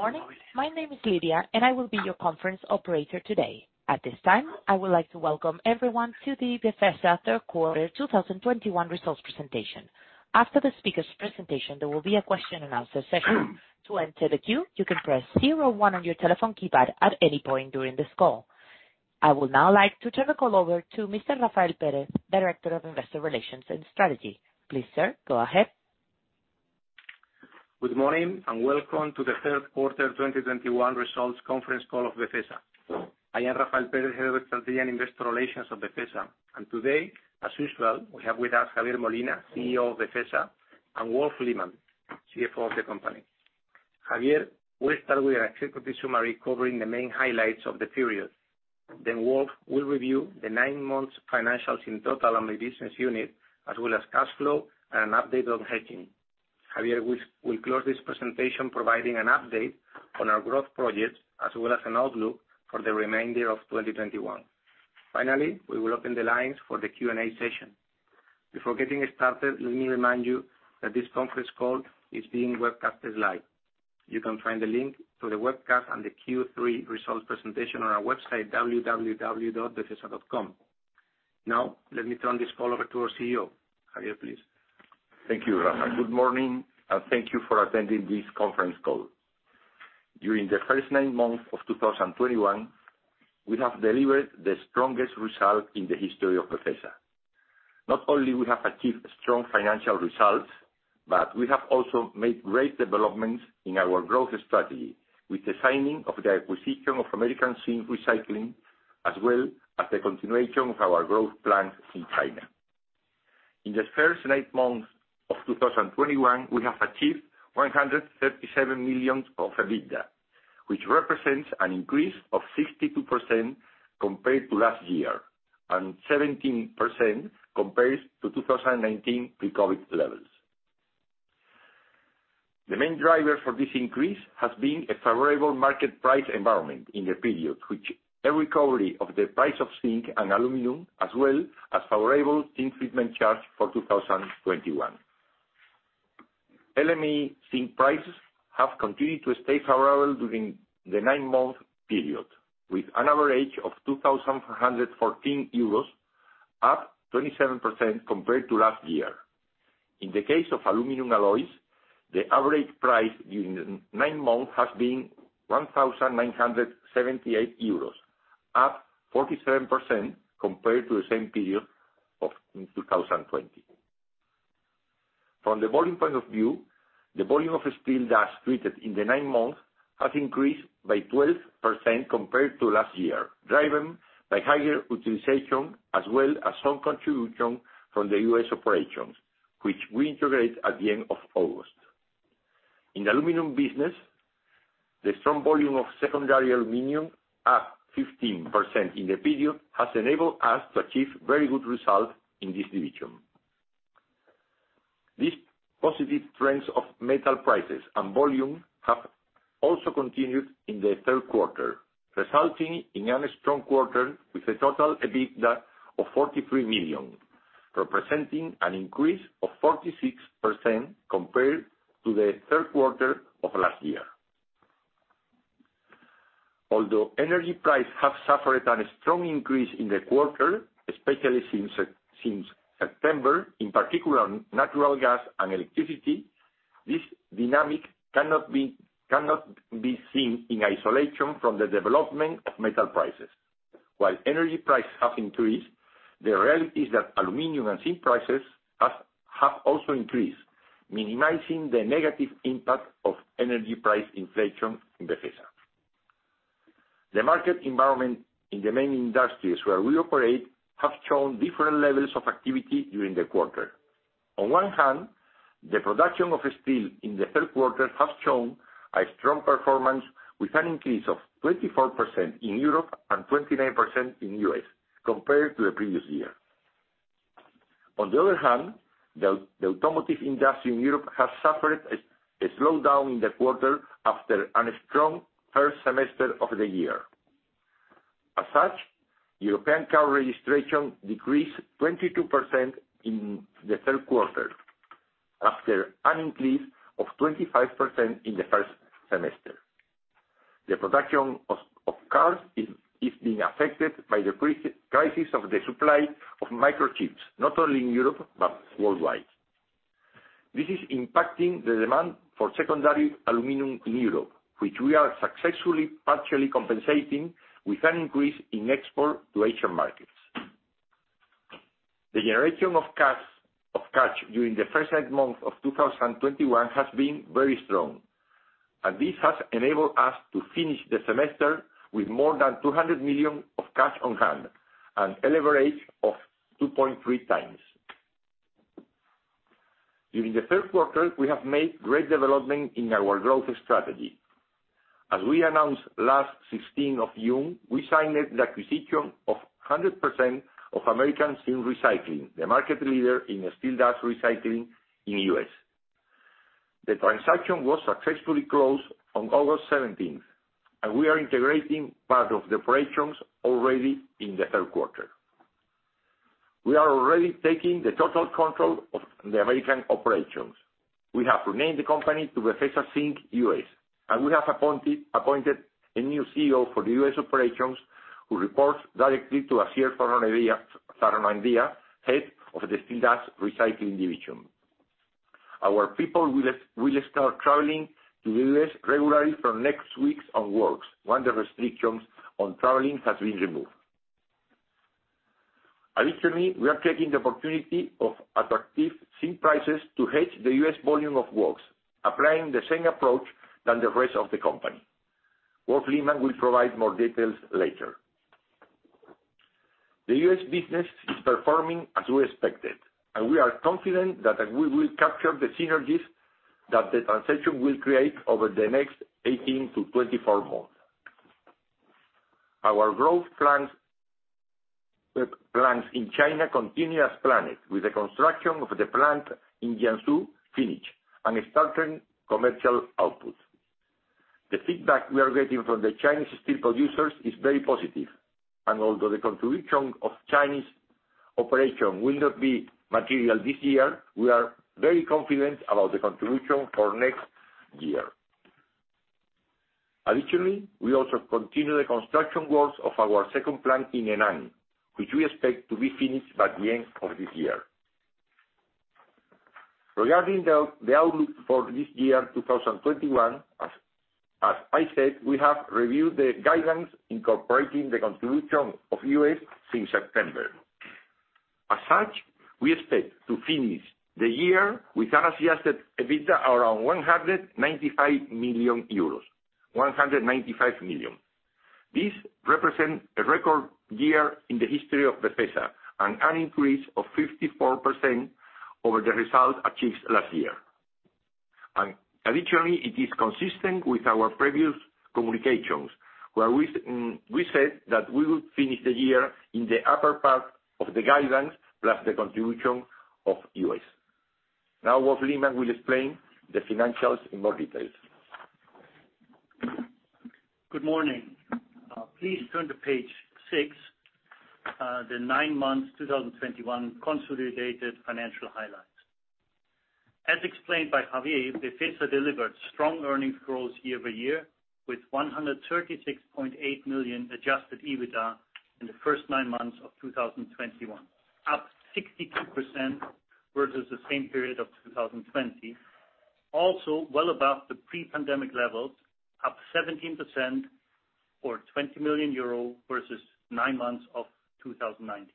Good morning. My name is Lydia, and I will be your conference operator today. At this time, I would like to welcome everyone to the Befesa Third Quarter 2021 Results Presentation. After the speakers' presentation, there will be a question and answer session. To enter the queue, you can press star one on your telephone keypad at any point during this call. I would now like to turn the call over to Mr. Rafael Pérez, Director of Investor Relations and Strategy. Please, sir, go ahead. Good morning, and welcome to the third quarter 2021 results conference call of Befesa. I am Rafael Pérez, Head of Strategy and Investor Relations of Befesa. Today, as usual, we have with us Javier Molina, CEO of Befesa, and Wolf Lehmann, CFO of the company. Javier will start with our executive summary, covering the main highlights of the period. Then Wolf will review the nine months financials in total on the business unit, as well as cash flow and an update on hedging. Javier will close this presentation providing an update on our growth projects as well as an outlook for the remainder of 2021. Finally, we will open the lines for the Q&A session. Before getting started, let me remind you that this conference call is being webcast live. You can find the link to the webcast and the Q3 results presentation on our website, www.befesa.com. Now let me turn this call over to our CEO. Javier, please. Thank you, Rafael. Good morning, and thank you for attending this conference call. During the first nine months of 2021, we have delivered the strongest result in the history of Befesa. Not only we have achieved strong financial results, but we have also made great developments in our growth strategy with the signing of the acquisition of American Zinc Recycling, as well as the continuation of our growth plans in China. In the first nine months of 2021, we have achieved 137 million of EBITDA, which represents an increase of 62% compared to last year and 17% compared to 2019 pre-COVID levels. The main driver for this increase has been a favorable market price environment in the period, with a recovery of the price of zinc and aluminum as well as favorable zinc treatment charge for 2021. LME zinc prices have continued to stay favorable during the nine-month period, with an average of 2,414 euros, up 27% compared to last year. In the case of aluminum alloys, the average price during the nine months has been 1,978 euros, up 47% compared to the same period of in 2020. From the volume point of view, the volume of steel dust treated in the nine months has increased by 12% compared to last year, driven by higher utilization as well as some contribution from the U.S. operations, which we integrate at the end of August. In the aluminum business, the strong volume of secondary aluminum, up 15% in the period, has enabled us to achieve very good results in this division. These positive trends of metal prices and volume have also continued in the third quarter, resulting in a strong quarter with a total EBITDA of 43 million, representing an increase of 46% compared to the third quarter of last year. Although energy prices have suffered a strong increase in the quarter, especially since September, in particular natural gas and electricity, this dynamic cannot be seen in isolation from the development of metal prices. While energy prices have increased, the reality is that aluminum and zinc prices have also increased, minimizing the negative impact of energy price inflation in Befesa. The market environment in the main industries where we operate have shown different levels of activity during the quarter. On one hand, the production of steel in the third quarter has shown a strong performance with an increase of 24% in Europe and 29% in U.S. compared to the previous year. On the other hand, the automotive industry in Europe has suffered a slowdown in the quarter after a strong first semester of the year. As such, European car registration decreased 22% in the third quarter after an increase of 25% in the first semester. The production of cars is being affected by the crisis of the supply of microchips, not only in Europe, but worldwide. This is impacting the demand for secondary aluminum in Europe, which we are successfully partially compensating with an increase in export to Asian markets. The generation of cash during the first eight months of 2021 has been very strong, and this has enabled us to finish the semester with more than 200 million cash on hand and leverage of 2.3x. During the third quarter, we have made great development in our growth strategy. As we announced on June 16, we signed the acquisition of 100% of American Zinc Recycling, the market leader in steel dust recycling in the U.S. The transaction was successfully closed on August 17, and we are integrating part of the operations already in the third quarter. We are already taking the total control of the American operations. We have renamed the company to Befesa Zinc US, and we have appointed a new CEO for the U.S. operations who reports directly to Asier Zarraonandia, Head of the Steel Dust Recycling Division. Our people will start traveling to the U.S. regularly from next week onwards, when the restrictions on traveling have been removed. Additionally, we are taking the opportunity of attractive zinc prices to hedge the U.S. volume of WOX, applying the same approach than the rest of the company. Wolf Lehmann will provide more details later. The U.S. business is performing as we expected, and we are confident that we will capture the synergies that the transaction will create over the next 18-24 months. Our growth plans in China continue as planned, with the construction of the plant in Jiangsu finished and starting commercial output. The feedback we are getting from the Chinese steel producers is very positive. Although the contribution of Chinese operation will not be material this year, we are very confident about the contribution for next year. Additionally, we also continue the construction works of our second plant. Regarding the outlook for this year, 2021, as I said, we have reviewed the guidance incorporating the contribution of U.S. since September. As such, we expect to finish the year with adjusted EBITDA around 195 million euros. This represent a record year in the history of Befesa, and an increase of 54% over the result achieved last year. Additionally, it is consistent with our previous communications, where we said that we would finish the year in the upper part of the guidance, plus the contribution of U.S. Now, Wolf Lehmann will explain the financials in more details. Good morning. Please turn to page six, the nine months 2021 consolidated financial highlights. As explained by Javier, Befesa delivered strong earnings growth year-over-year, with 136.8 million adjusted EBITDA in the first nine months of 2021, up 62% versus the same period of 2020. Also well above the pre-pandemic levels, up 17% or 20 million euro, versus nine months of 2019.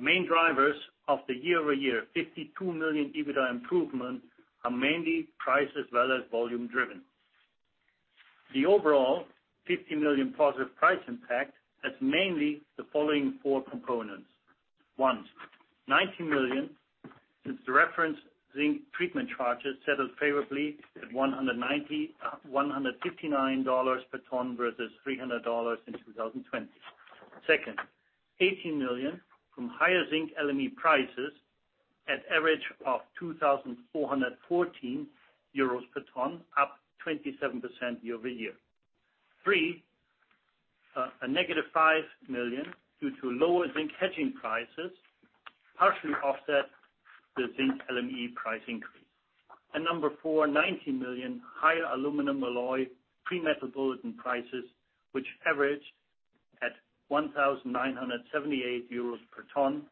The main drivers of the year-over-year 52 million EBITDA improvement are mainly price as well as volume driven. The overall 50 million positive price impact has mainly the following four components. One. 19 million, since the reference zinc treatment charges settled favorably at $159 per ton versus $300 in 2020. Second, 18 million from higher zinc LME prices at average of 2,414 euros per ton, up 27% year-over-year. Three, a negative 5 million due to lower zinc hedging prices, partially offset the zinc LME price increase. Number four, 19 million, higher aluminum alloy Metal Bulletin prices, which averaged at 1,978 euros per ton,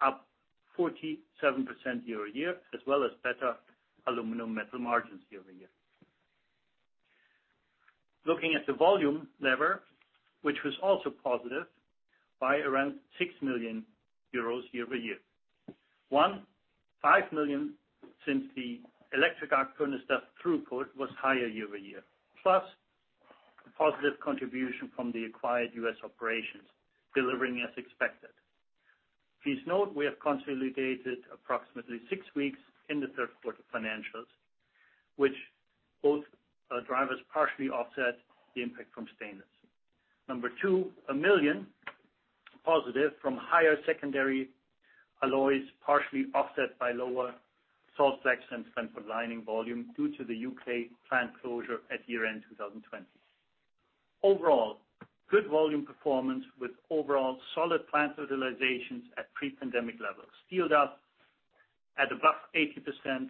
up 47% year-over-year, as well as better aluminum metal margins year-over-year. Looking at the volume lever, which was also positive by around 6 million euros year-over-year. One, 5 million since the electric arc furnace dust throughput was higher year-over-year, plus the positive contribution from the acquired U.S. operations delivering as expected. Please note we have consolidated approximately six weeks in the third quarter financials, which both drivers partially offset the impact from stainless. Number two, 1 million positive from higher secondary alloys, partially offset by lower salt slag and spent pot lining volume due to the U.K. plant closure at year-end 2020. Overall, good volume performance with overall solid plant utilizations at pre-pandemic levels. Steel dust at above 80%.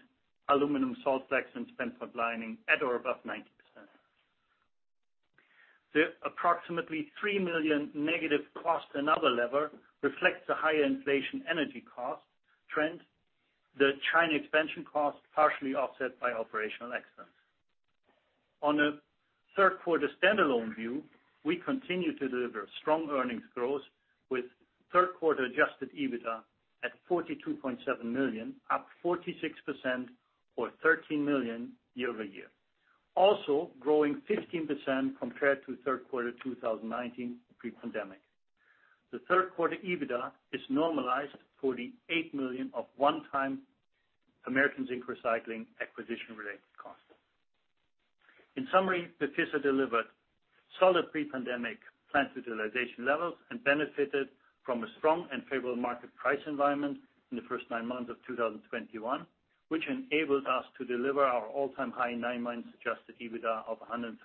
Aluminum salt slag and spent pot lining at or above 90%. The approximately 3 million negative cost and other lever reflects the higher inflation energy cost trend, the China expansion cost partially offset by operational excellence. On a third quarter standalone view, we continue to deliver strong earnings growth with third quarter adjusted EBITDA at 42.7 million, up 46% or 13 million year-over-year. Also growing 15% compared to third quarter 2019 pre-pandemic. The third quarter EBITDA is normalized 48 million of one-time American Zinc Recycling acquisition related cost. In summary, Befesa delivered solid pre-pandemic plant utilization levels and benefited from a strong and favorable market price environment in the first nine months of 2021, which enabled us to deliver our all-time high nine months adjusted EBITDA of 137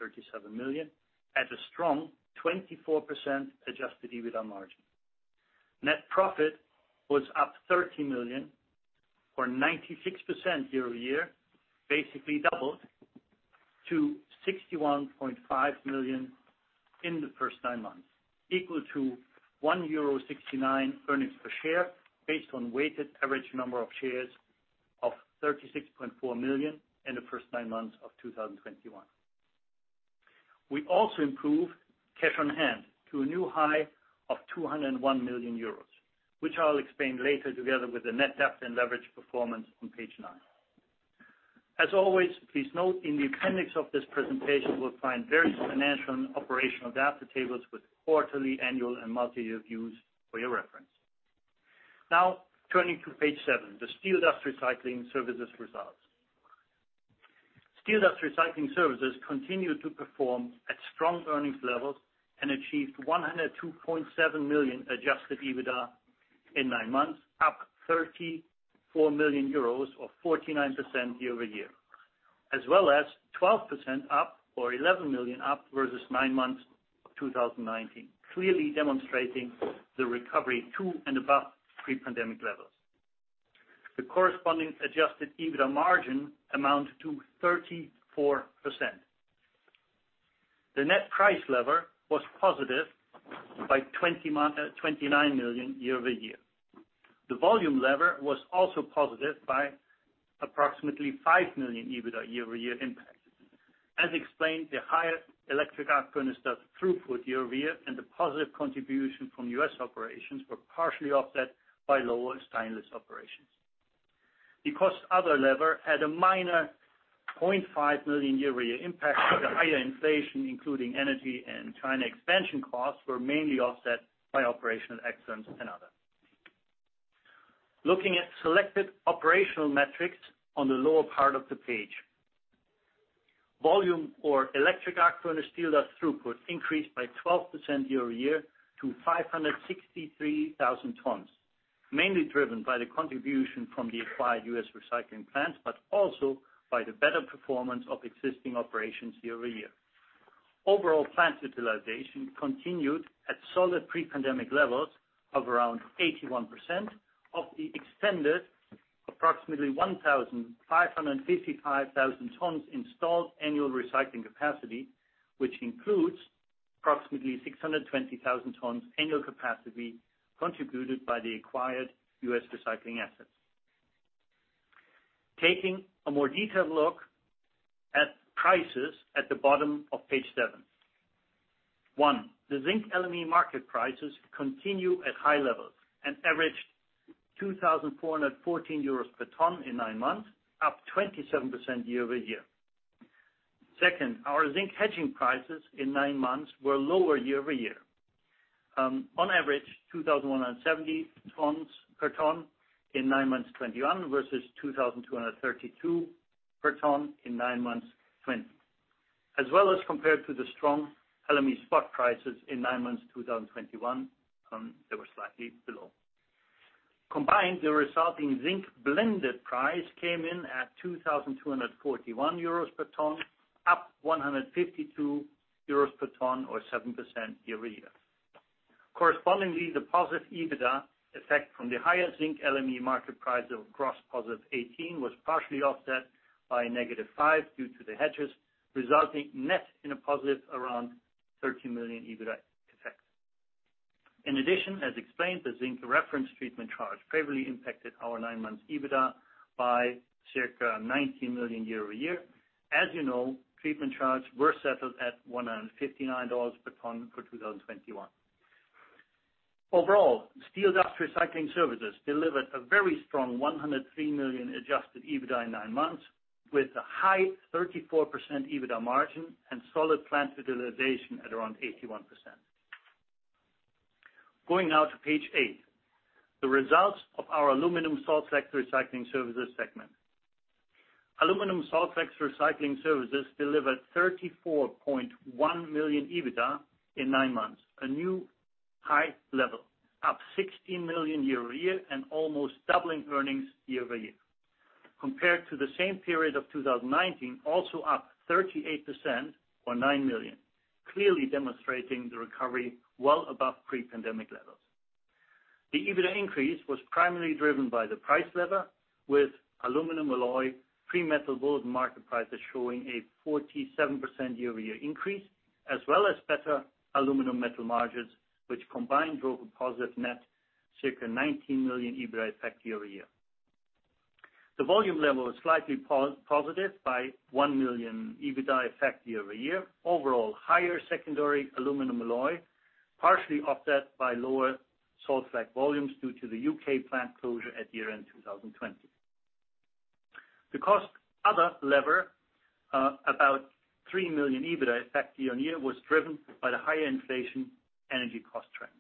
million at a strong 24% adjusted EBITDA margin. Net profit was up 30 million or 96% year-over-year, basically doubled to 61.5 million in the first nine months, equal to 1.69 euro earnings per share based on weighted average number of shares of 36.4 million in the first nine months of 2021. We also improved cash on hand to a new high of 201 million euros, which I'll explain later together with the net debt and leverage performance on page nine. As always, please note in the appendix of this presentation, you will find various financial and operational data tables with quarterly, annual, and multi-year views for your reference. Now turning to page seven, the steel dust recycling services results. Steel dust recycling services continued to perform at strong earnings levels and achieved 102.7 million adjusted EBITDA in nine months, up 34 million euros or 49% year-over-year. As well as 12% up or 11 million up versus nine months of 2019, clearly demonstrating the recovery to and above pre-pandemic levels. The corresponding adjusted EBITDA margin amounted to 34%. The net price lever was positive by 29 million year-over-year. The volume lever was also positive by approximately 5 million EBITDA year-over-year impact. As explained, the higher electric arc furnace dust throughput year-over-year and the positive contribution from U.S. operations were partially offset by lower stainless operations. The cost and other levers had a minor 0.5 million year-over-year impact, with the higher inflation, including energy and China expansion costs, mainly offset by operational excellence and other. Looking at selected operational metrics on the lower part of the page. Volume of electric arc furnace steel dust throughput increased by 12% year-over-year to 563,000 tons, mainly driven by the contribution from the acquired U.S. recycling plant, but also by the better performance of existing operations year-over-year. Overall, plant utilization continued at solid pre-pandemic levels of around 81% of the extended approximately 1,555,000 tons installed annual recycling capacity, which includes approximately 620,000 tons annual capacity contributed by the acquired US recycling assets. Taking a more detailed look at prices at the bottom of page seven. One, the zinc LME market prices continue at high levels and averaged 2,414 euros per ton in nine months, up 27% year-over-year. Second, our zinc hedging prices in nine months were lower year-over-year. On average, 2,170 per ton in nine months 2021, versus 2,232 per ton in nine months 2020. As well as compared to the strong LME spot prices in nine months 2021, they were slightly below. Combined, the resulting zinc blended price came in at 2,241 euros per ton, up 152 euros per ton or 7% year-over-year. Correspondingly, the positive EBITDA effect from the higher zinc LME market price of gross positive 18 million was partially offset by a negative -5 million due to the hedges, resulting net in a positive around 13 million EBITDA effect. In addition, as explained, the zinc reference treatment charge favorably impacted our nine-month EBITDA by circa 19 million euro year-over-year. As you know, treatment charges were settled at $159 per ton for 2021. Overall, steel dust recycling services delivered a very strong 103 million adjusted EBITDA in nine months with a high 34% EBITDA margin and solid plant utilization at around 81%. Going now to page eight, the results of our aluminum salt slag recycling services segment. Aluminum salt slag recycling services delivered 34.1 million EBITDA in nine months, a new high level, up 16 million year-over-year and almost doubling earnings year-over-year. Compared to the same period of 2019, also up 38% or 9 million, clearly demonstrating the recovery well above pre-pandemic levels. The EBITDA increase was primarily driven by the price lever with aluminum alloy premiums, metal bull market prices showing a 47% year-over-year increase, as well as better aluminum metal margins, which combined drove a positive net circa 19 million EBITDA effect year-over-year. The volume level was slightly positive by 1 million EBITDA effect year-over-year. Overall, higher secondary aluminum alloy, partially offset by lower salt slag volumes due to the U.K. plant closure at year-end 2020. The other cost lever, about 3 million EBITDA effect year-on-year, was driven by the higher inflation energy cost trends.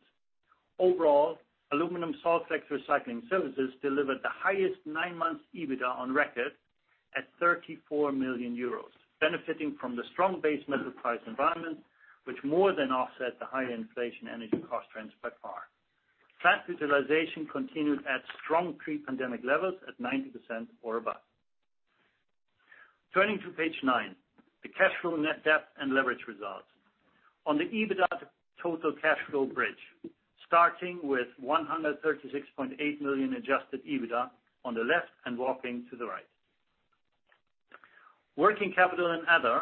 Overall, Aluminum Salt Slags Recycling Services delivered the highest nine months EBITDA on record at 34 million euros, benefiting from the strong base metal price environment, which more than offset the higher inflation energy cost trends by far. Plant utilization continued at strong pre-pandemic levels at 90% or above. Turning to page nine, the cash flow net debt and leverage results. On the EBITDA to total cash flow bridge, starting with 136.8 million adjusted EBITDA on the left and walking to the right. Working capital and other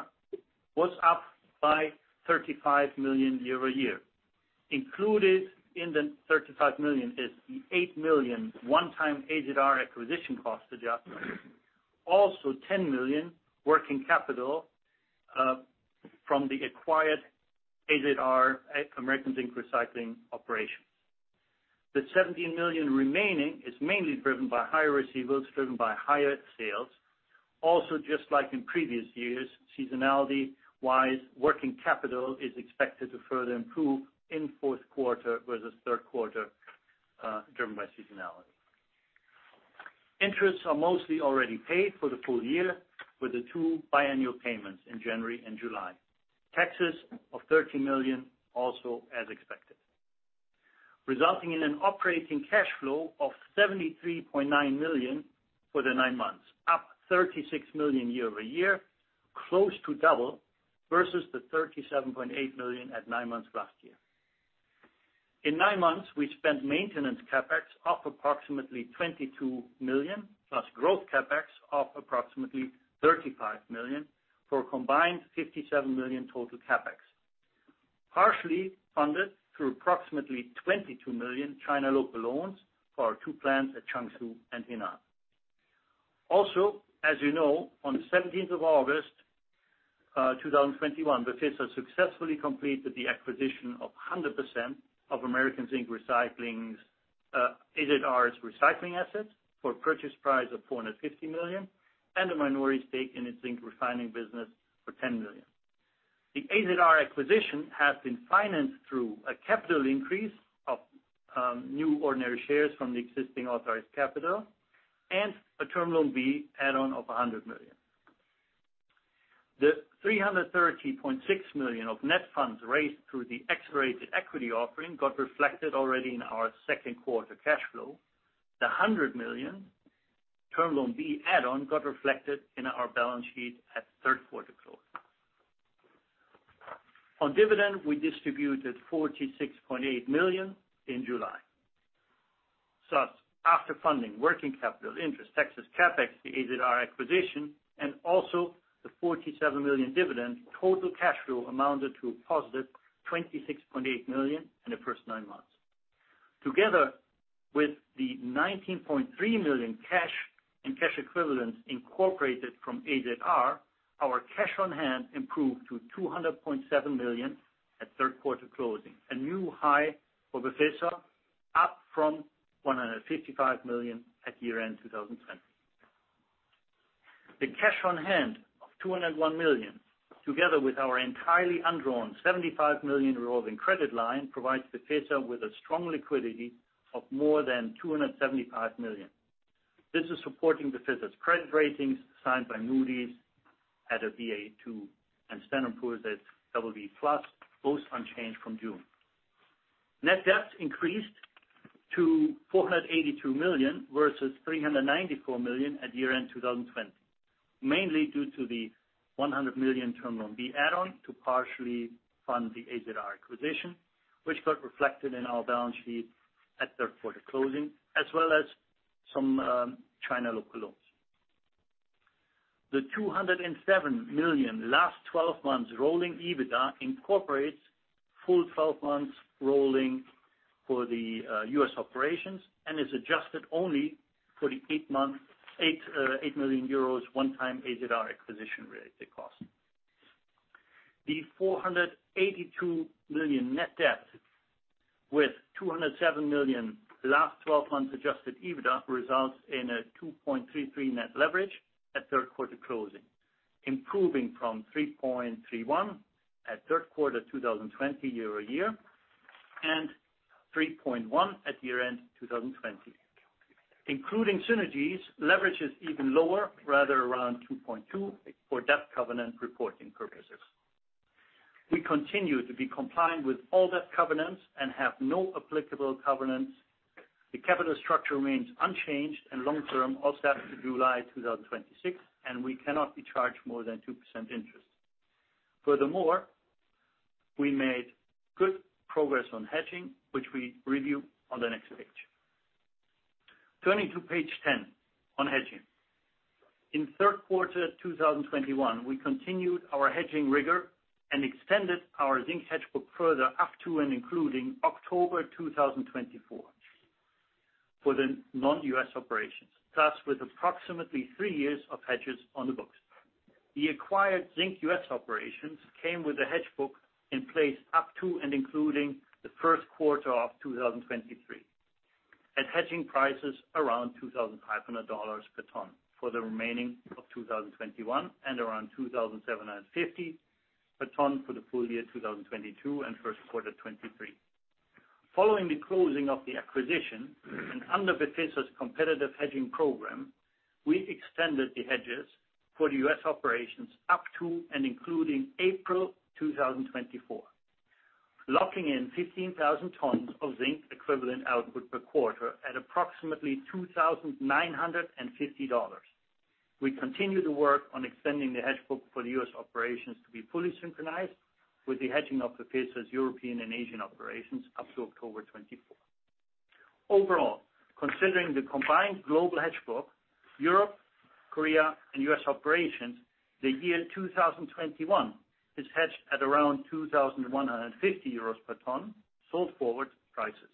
was up by 35 million euro year-over-year. Included in the 35 million is the 8 million one-time AZR acquisition cost adjustment. Also 10 million working capital from the acquired AZR American Zinc Recycling operations. The 17 million remaining is mainly driven by higher receivables, driven by higher sales. Just like in previous years, seasonality-wise, working capital is expected to further improve in fourth quarter versus third quarter, driven by seasonality. Interests are mostly already paid for the full year with the two biannual payments in January and July. Taxes of 13 million also as expected, resulting in an operating cash flow of 73.9 million for the nine months, up 36 million year-over-year, close to double versus the 37.8 million at nine months last year. In nine months, we spent maintenance CapEx of approximately 22 million, plus growth CapEx of approximately 35 million for a combined 57 million total CapEx, partially funded through approximately 22 million China local loans for our two plants at Changzhou and Henan. As you know, on the 17th of August 2021, Befesa successfully completed the acquisition of 100% of American Zinc Recycling's AZR's recycling assets for a purchase price of $450 million and a minority stake in its zinc refining business for $10 million. The AZR acquisition has been financed through a capital increase of new ordinary shares from the existing authorized capital and a term loan B add-on of 100 million. The 330.6 million of net funds raised through the accelerated equity offering got reflected already in our second quarter cash flow. The 100 million term loan B add-on got reflected in our balance sheet at third quarter close. On dividend, we distributed 46.8 million in July. Thus, after funding working capital interest, taxes, CapEx, the AZR acquisition, and also the 47 million dividend, total cash flow amounted to a positive 26.8 million in the first nine months. Together with the 19.3 million cash and cash equivalents incorporated from AZR, our cash on hand improved to 200.7 million at third quarter closing, a new high for Befesa, up from 155 million at year-end 2020. The cash on hand of 201 million, together with our entirely undrawn 75 million revolving credit line, provides Befesa with a strong liquidity of more than 275 million. This is supporting Befesa's credit ratings assigned by Moody's at a Ba2 and Standard & Poor's at BB+, both unchanged from June. Net debt increased to 482 million versus 394 million at year-end 2020, mainly due to the 100 million Term Loan B add-on to partially fund the AZR acquisition, which got reflected in our balance sheet at third quarter closing, as well as some China local loans. The 207 million last twelve months rolling EBITDA incorporates full twelve months rolling for the U.S. operations and is adjusted only for the eight million euros one-time AZR acquisition-related cost. The 482 million net debt with 207 million last twelve months adjusted EBITDA results in a 2.33 net leverage at third quarter closing, improving from 3.31 at third quarter 2020 year-over-year, and 3.1 at year-end 2020. Including synergies, leverage is even lower, rather around 2.2 for debt covenant reporting purposes. We continue to be compliant with all debt covenants and have no applicable covenants. The capital structure remains unchanged, and long term all set to July 2026, and we cannot be charged more than 2% interest. Furthermore, we made good progress on hedging, which we review on the next page. Turning to page 10 on hedging. In third quarter 2021, we continued our hedging rigor and extended our zinc hedge book further up to and including October 2024 for the non-U.S. operations. Thus, with approximately three years of hedges on the books. The acquired Zinc US operations came with a hedge book in place up to and including the first quarter of 2023, at hedging prices around $2,500 per ton for the remaining of 2021 and around $2,750 per ton for the full year 2022 and first quarter 2023. Following the closing of the acquisition and under Befesa's competitive hedging program, we extended the hedges for the US operations up to and including April 2024, locking in 15,000 tons of zinc equivalent output per quarter at approximately $2,950. We continue to work on extending the hedge book for the US operations to be fully synchronized with the hedging of Befesa's European and Asian operations up to October 2024. Overall, considering the combined global hedge book, Europe, Korea and US operations, the year 2021 is hedged at around 2,150 euros per ton, sold forward prices.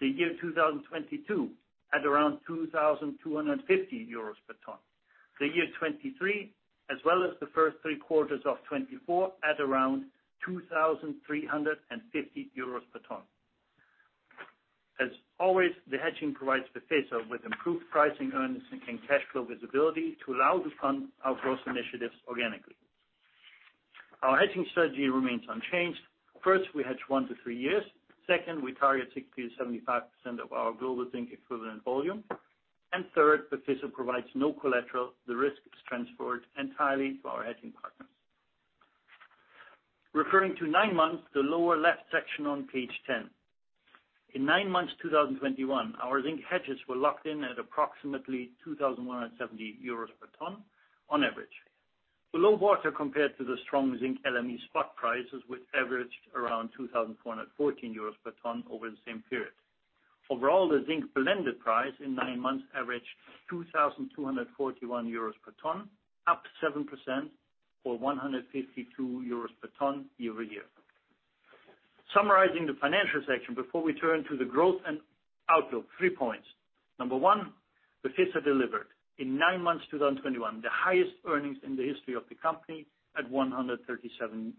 The year 2022 at around 2,250 euros per ton. The year 2023, as well as the first three quarters of 2024 at around 2,350 euros per ton. As always, the hedging provides Befesa with improved pricing earnings and cash flow visibility to allow to fund our growth initiatives organically. Our hedging strategy remains unchanged. First, we hedge one-three years. Second, we target 60%-75% of our global zinc equivalent volume. Third, Befesa provides no collateral. The risk is transferred entirely to our hedging partners. Referring to nine months, the lower left section on page 10. In nine months 2021, our zinc hedges were locked in at approximately 2,170 euros per ton on average. Underwater compared to the strong zinc LME spot prices, which averaged around 2,414 euros per ton over the same period. Overall, the zinc blended price in nine months averaged 2,241 euros per ton, up 7% or 152 euros per ton year-over-year. Summarizing the financial section before we turn to the growth and outlook, three points. Number one, Befesa delivered in nine months 2021, the highest earnings in the history of the company at 137 million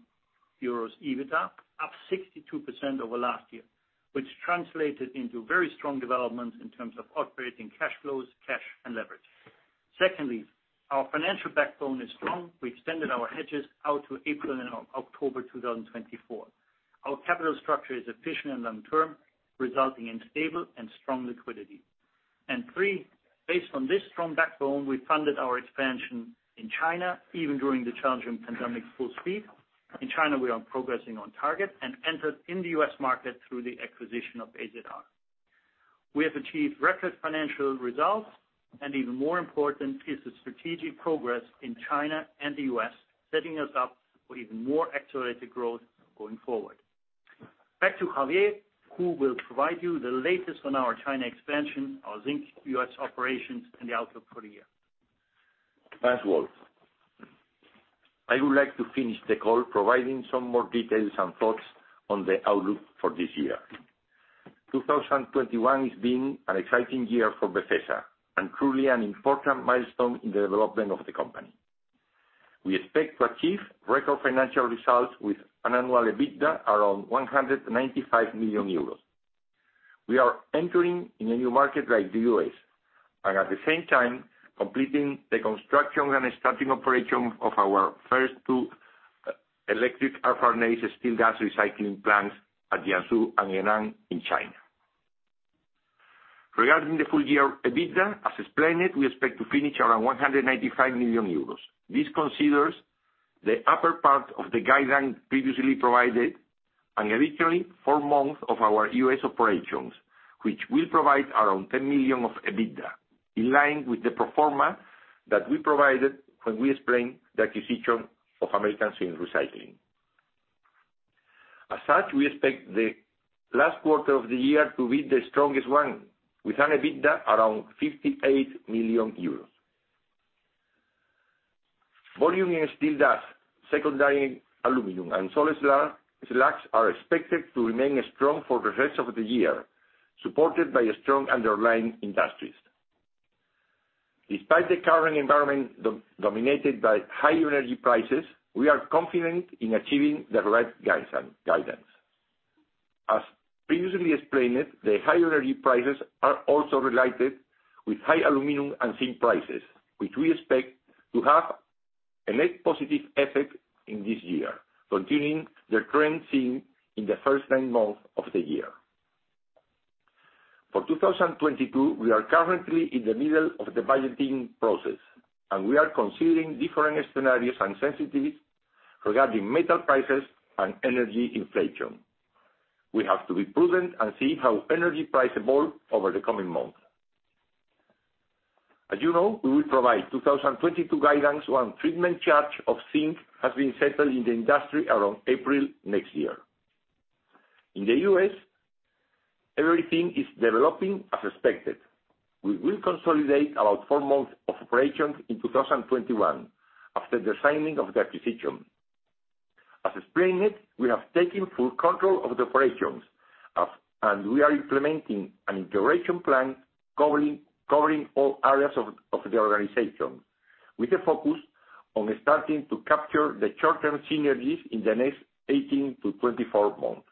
euros EBITDA, up 62% over last year, which translated into very strong development in terms of operating cash flows, cash and leverage. Secondly, our financial backbone is strong. We extended our hedges out to April and October 2024. Our capital structure is efficient and long-term, resulting in stable and strong liquidity. Three, based on this strong backbone, we funded our expansion in China, even during the challenging pandemic, full speed. In China, we are progressing on target and entered in the U.S. market through the acquisition of AZR. We have achieved record financial results, and even more important is the strategic progress in China and the U.S., setting us up for even more accelerated growth going forward. Back to Javier, who will provide you the latest on our China expansion, our Zinc U.S. operations, and the outlook for the year. Thanks, Wolf. I would like to finish the call providing some more details and thoughts on the outlook for this year. 2021 has been an exciting year for Befesa, and truly an important milestone in the development of the company. We expect to achieve record financial results with an annual EBITDA around 195 million euros. We are entering in a new market like the U.S., and at the same time, completing the construction and starting operation of our first two electric arc furnace steel dust recycling plants at Jiangsu and Henan in China. Regarding the full year EBITDA, as explained, we expect to finish around 195 million euros. This considers the upper part of the guidance previously provided and additionally four months of our US operations, which will provide around 10 million of EBITDA, in line with the pro forma that we provided when we explained the acquisition of American Zinc Recycling. As such, we expect the last quarter of the year to be the strongest one with an EBITDA around 58 million euros. Volume in steel dust, secondary aluminum, and salt slags are expected to remain strong for the rest of the year, supported by strong underlying industries. Despite the current environment dominated by high energy prices, we are confident in achieving the right guidance. As previously explained, the high energy prices are also related with high aluminum and zinc prices, which we expect to have a net positive effect in this year, continuing the trend seen in the first nine months of the year. For 2022, we are currently in the middle of the budgeting process, and we are considering different scenarios and sensitivities regarding metal prices and energy inflation. We have to be prudent and see how energy price evolve over the coming months. As you know, we will provide 2022 guidance when zinc treatment charge has been settled in the industry around April next year. In the U.S., everything is developing as expected. We will consolidate around four months of operations in 2021 after the signing of the acquisition. As explained, we have taken full control of the operations, and we are implementing an integration plan covering all areas of the organization, with a focus on starting to capture the short-term synergies in the next 18-24 months.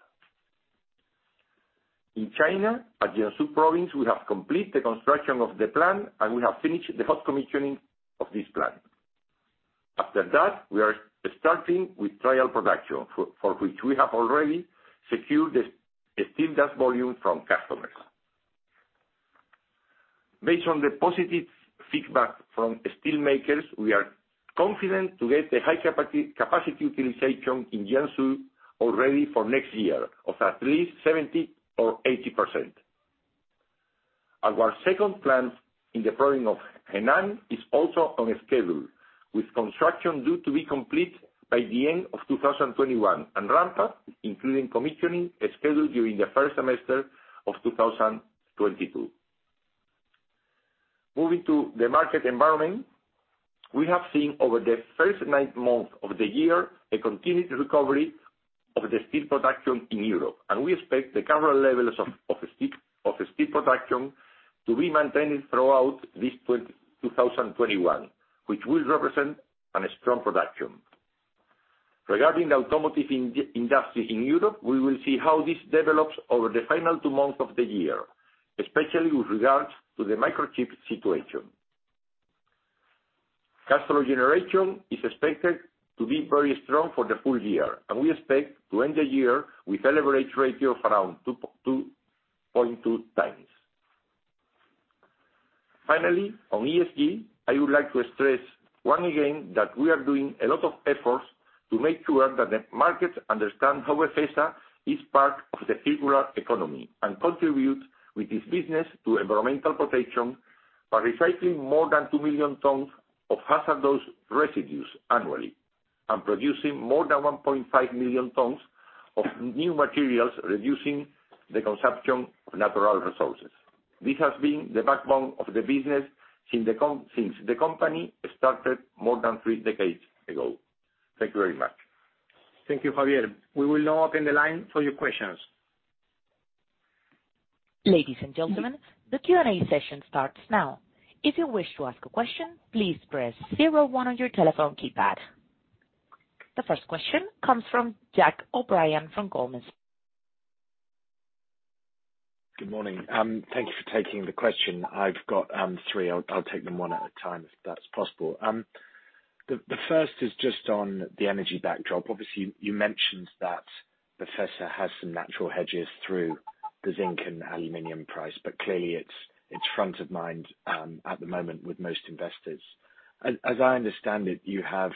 In China, at Jiangsu province, we have completed the construction of the plant, and we have finished the hot commissioning of this plant. After that, we are starting with trial production for which we have already secured the steel dust volume from customers. Based on the positive feedback from steel makers, we are confident to get the high capacity utilization in Jiangsu already for next year of at least 70% or 80%. Our second plant in the province of Henan is also on schedule, with construction due to be complete by the end of 2021, and ramp up, including commissioning, is scheduled during the first semester of 2022. Moving to the market environment, we have seen over the first nine months of the year a continued recovery of the steel production in Europe. We expect the current levels of steel production to be maintained throughout this 2021, which will represent a strong production. Regarding the automotive industry in Europe, we will see how this develops over the final two months of the year, especially with regards to the microchip situation. Cash flow generation is expected to be very strong for the full year, and we expect to end the year with a leverage ratio of around 2.2x. Finally, on ESG, I would like to stress once again that we are doing a lot of efforts to make sure that the markets understand how Befesa is part of the circular economy, and contribute with this business to environmental protection by recycling more than 2 million tons of hazardous residues annually and producing more than 1.5 million tons of new materials, reducing the consumption of natural resources. This has been the backbone of the business since the company started more than three decades ago. Thank you very much. Thank you, Javier. We will now open the line for your questions. Ladies and gentlemen, the Q&A session starts now. If you wish to ask a question, please press zero one on your telephone keypad. The first question comes from Jack O'Brien from Goldman Sachs. Good morning. Thank you for taking the question. I've got three. I'll take them one at a time, if that's possible. The first is just on the energy backdrop. Obviously, you mentioned that Befesa has some natural hedges through the zinc and aluminum price, but clearly it's front of mind at the moment with most investors. As I understand it, you have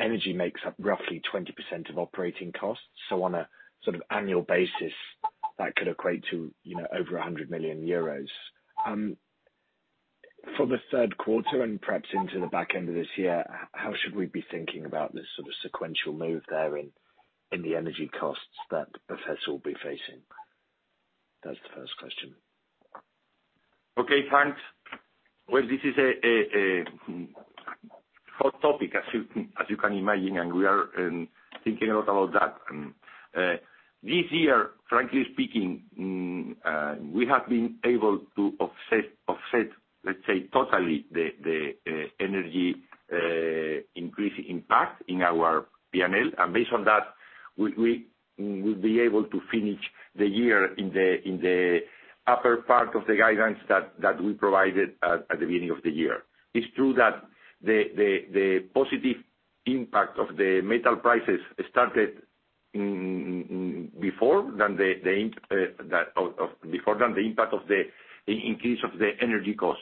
energy makes up roughly 20% of operating costs, so on a sort of annual basis, that could equate to, you know, over 100 million euros. For the third quarter and perhaps into the back end of this year, how should we be thinking about this sort of sequential move there in the energy costs that Befesa will be facing? That's the first question. Okay, thanks. Well, this is a hot topic, as you can imagine, and we are thinking a lot about that. This year, frankly speaking, we have been able to offset, let's say, totally the energy increase impact in our P&L. Based on that, we will be able to finish the year in the upper part of the guidance that we provided at the beginning of the year. It's true that the positive impact of the metal prices started before the impact of the increase of the energy cost.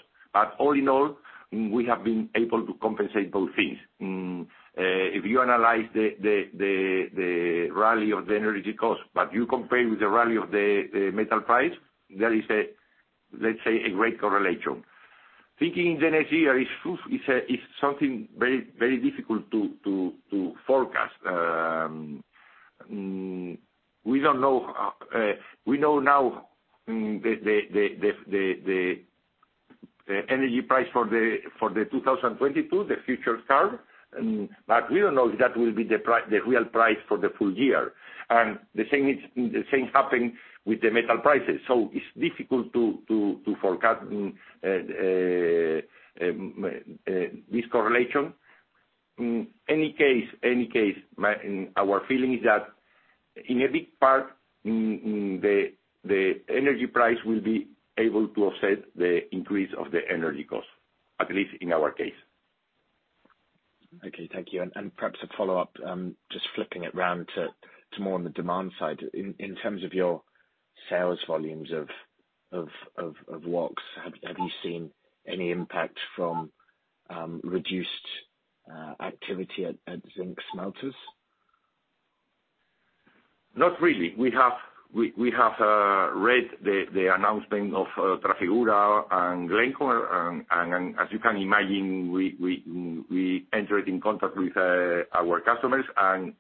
All in all, we have been able to compensate both things. If you analyze the rally of the energy cost, but you compare with the rally of the metal price, there is, let's say, a great correlation. Thinking in the next year is something very difficult to forecast. We don't know, we know now the energy price for 2022, the future curve, but we don't know if that will be the real price for the full year. The same happened with the metal prices. It's difficult to forecast this correlation. Any case, our feeling is that in a big part, the energy price will be able to offset the increase of the energy cost, at least in our case. Okay, thank you. Perhaps a follow-up, just flipping it around to more on the demand side. In terms of your sales volumes of Waelz, have you seen any impact from reduced activity at zinc smelters? Not really. We have read the announcement of Trafigura and Glencore. As you can imagine, we entered in contact with our customers, and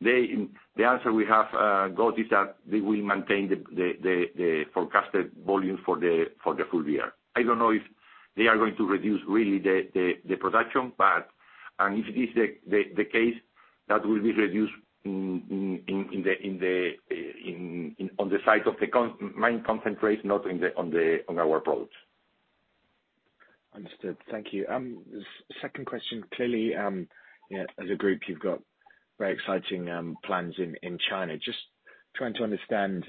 the answer we have got is that they will maintain the forecasted volume for the full year. I don't know if they are going to reduce really the production, but if this is the case, that will be reduced on the side of the mine concentrate, not on our products. Understood. Thank you. Second question. Clearly, you know, as a group, you've got very exciting plans in China. Just trying to understand,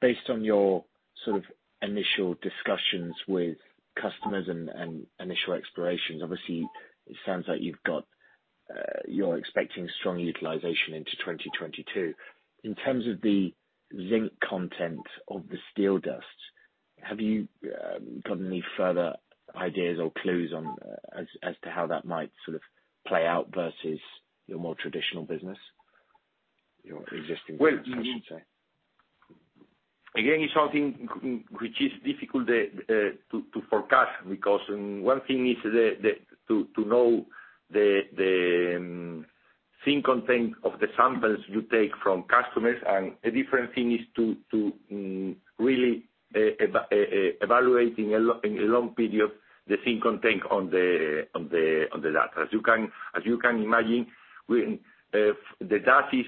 based on your sort of initial discussions with customers and initial explorations, obviously it sounds like you're expecting strong utilization into 2022. In terms of the zinc content of the steel dust, have you got any further ideas or clues on as to how that might sort of play out versus your more traditional business, your existing business, I should say? Well, again, it's something which is difficult to forecast because one thing is to know the zinc content of the samples you take from customers, and a different thing is to really evaluating in a long period the zinc content on the dust. As you can imagine, when the dust is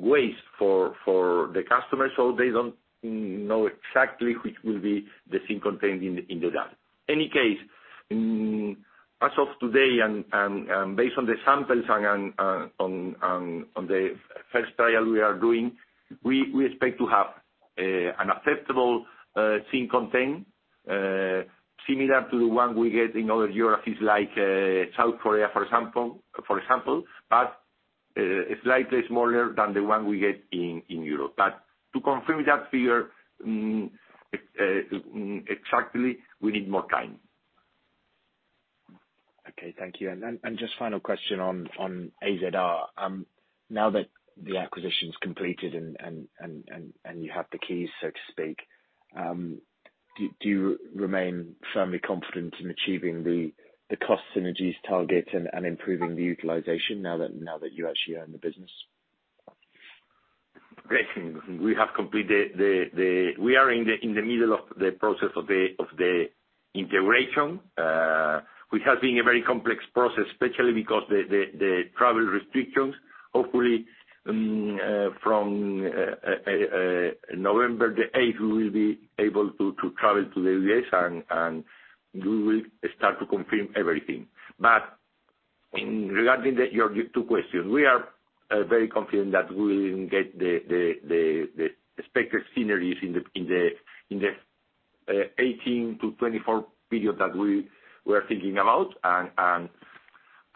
waste for the customer, so they don't know exactly which will be the zinc contained in the dust. any case, as of today and based on the samples and on the first trial we are doing, we expect to have an acceptable zinc content similar to the one we get in other geographies like South Korea, for example, but slightly smaller than the one we get in Europe. To confirm that figure exactly, we need more time. Okay. Thank you. Just final question on AZR. Now that the acquisition's completed and you have the keys, so to speak, do you remain firmly confident in achieving the cost synergies target and improving the utilization now that you actually own the business? Great. We are in the middle of the process of the integration, which has been a very complex process, especially because of the travel restrictions. Hopefully, from November the eighth, we will be able to travel to the U.S., and we will start to confirm everything. Regarding your two questions, we are very confident that we will get the expected synergies in the 18-24 period that we were thinking about.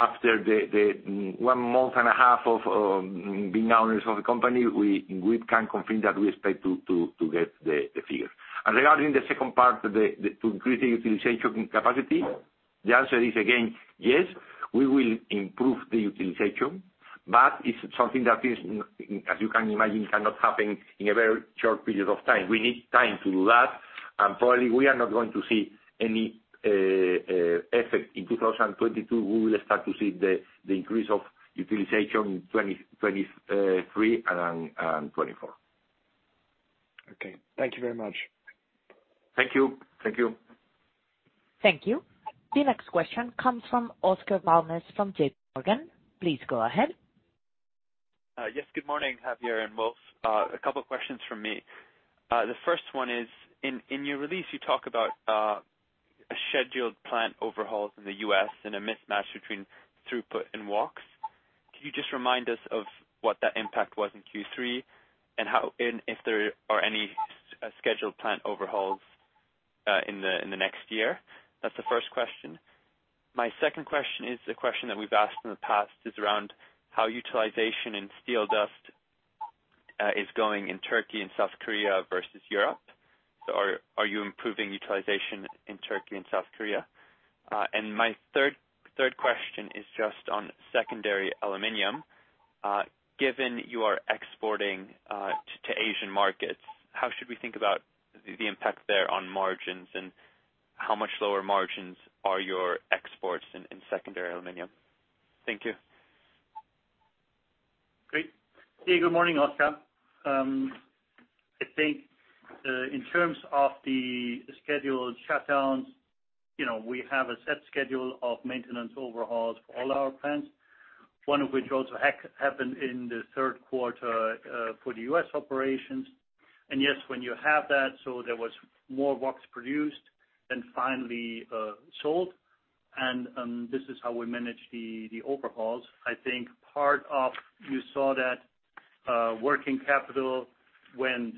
After the one month and a half of being owners of the company, we can confirm that we expect to get the figures. Regarding the second part, to increase the utilization capacity, the answer is, again, yes, we will improve the utilization, but it's something that is, as you can imagine, cannot happen in a very short period of time. We need time to do that, and probably we are not going to see any effect in 2022. We will start to see the increase of utilization in 2023 and 2024. Okay. Thank you very much. Thank you. Thank you. Thank you. The next question comes from Oscar Val Mas from JP Morgan. Please go ahead. Yes. Good morning, Javier and Wolf. A couple questions from me. The first one is, in your release, you talk about a scheduled plant overhauls in the U.S. and a mismatch between throughput and Waelz. Can you just remind us of what that impact was in Q3 and how and if there are any scheduled plant overhauls in the next year? That's the first question. My second question is a question that we've asked in the past is around how utilization in steel dust is going in Turkey and South Korea versus Europe. Are you improving utilization in Turkey and South Korea? My third question is just on secondary aluminum. Given you are exporting to Asian markets, how should we think about the impact there on margins, and how much lower margins are your exports in secondary aluminum? Thank you. Great. Hey, good morning, Oscar. I think in terms of the scheduled shutdowns, you know, we have a set schedule of maintenance overhauls for all our plants, one of which also happened in the third quarter for the U.S. operations. Yes, when you have that, there was more Waelz produced than finally sold, and this is how we manage the overhauls. I think part of you saw that working capital went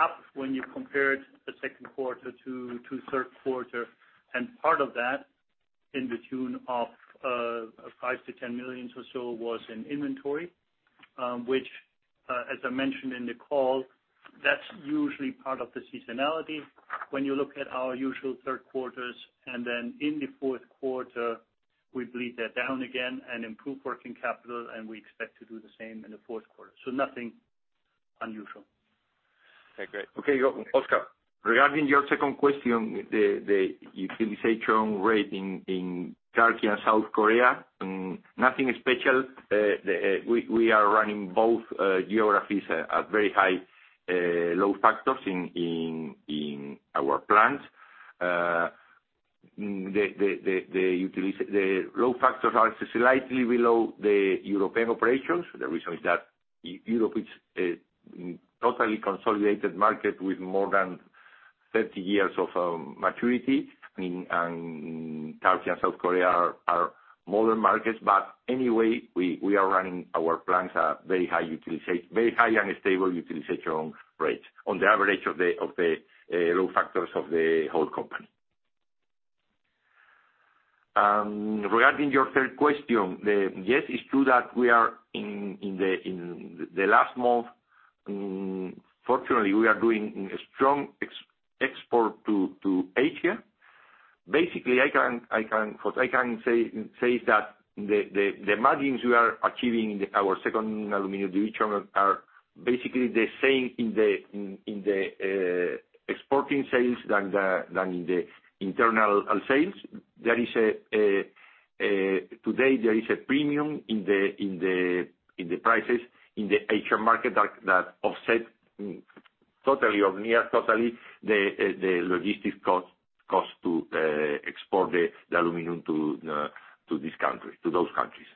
up when you compared the second quarter to third quarter, and part of that, in the tune of 5 million-10 million or so was in inventory, which, as I mentioned in the call, that's usually part of the seasonality when you look at our usual third quarters. In the fourth quarter, we bleed that down again and improve working capital, and we expect to do the same in the fourth quarter. Nothing unusual. Okay, great. Okay. Oscar, regarding your second question, the utilization rate in Turkey and South Korea, nothing special. We are running both geographies at very high load factors in our plants. The load factors are slightly below the European operations. The reason is that Europe is a totally consolidated market with more than 30 years of maturity. Turkey and South Korea are modern markets. Anyway, we are running our plants at very high and stable utilization rates on the average of the load factors of the whole company. Regarding your third question, yes, it's true that we are in the last month, fortunately, we are doing a strong export to Asia. Basically, I can... What I can say is that the margins we are achieving in our second aluminum division are basically the same in the exporting sales than in the internal sales. There is today a premium in the prices in the Asian market that offset totally or near totally the logistic cost to export the aluminum to those countries.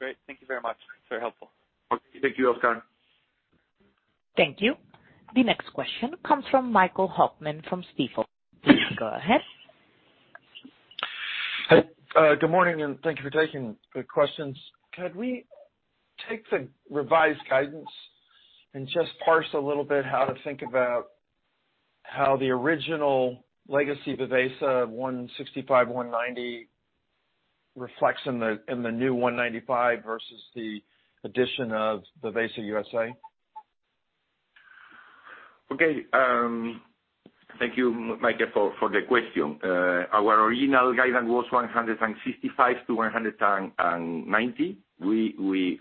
Great. Thank you very much. It's very helpful. Okay. Thank you, Oscar. Thank you. The next question comes from Michael Hoffman from Stifel. Please go ahead. Hey. Good morning, and thank you for taking the questions. Could we take the revised guidance and just parse a little bit how to think about how the original legacy of Befesa 165, 190 reflects in the new 195 versus the addition of the Befesa USA? Thank you, Michael, for the question. Our original guidance was 165-190. We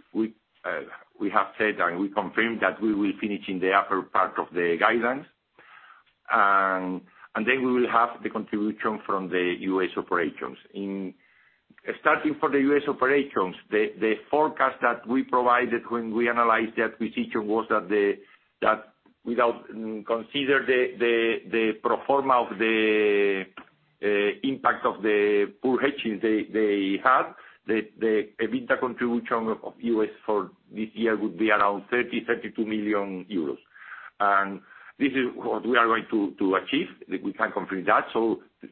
have said, and we confirm that we will finish in the upper part of the guidance. Then we will have the contribution from the U.S. operations. For the U.S. operations, the forecast that we provided when we analyzed the acquisition was that without considering the pro forma impact of the poor hedging they had, the EBITDA contribution from the U.S. for this year would be around 32 million euros. This is what we are going to achieve. We can confirm that.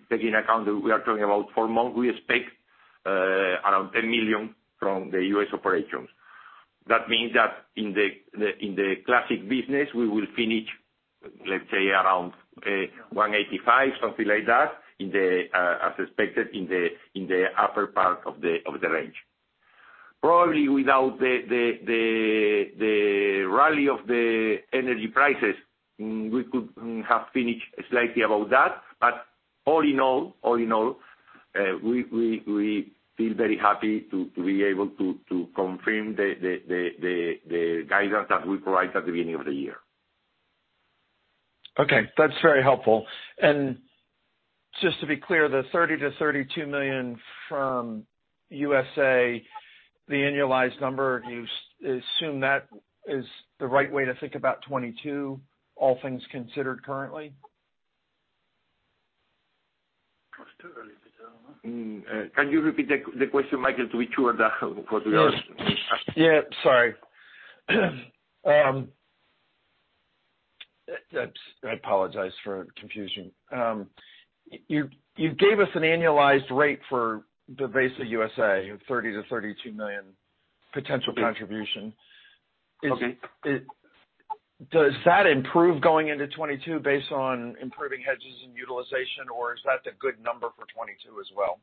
Taking into account that we are talking about four months, we expect around 10 million from the U.S. operations. That means that in the classic business, we will finish, let's say, around 185, something like that, as expected in the upper part of the range. Probably without the rally of the energy prices, we could have finished slightly above that. All in all, we feel very happy to be able to confirm the guidance that we provided at the beginning of the year. Okay, that's very helpful. Just to be clear, the $30 million-$32 million from USA, the annualized number, you assume that is the right way to think about 2022, all things considered currently? Can you repeat the question, Michael, to be sure that what we are- Yeah. Yeah, sorry. That's I apologize for confusion. You gave us an annualized rate for the Befesa USA of 30 million-32 million potential contribution. Okay. Does that improve going into 2022 based on improving hedges and utilization, or is that the good number for 2022 as well?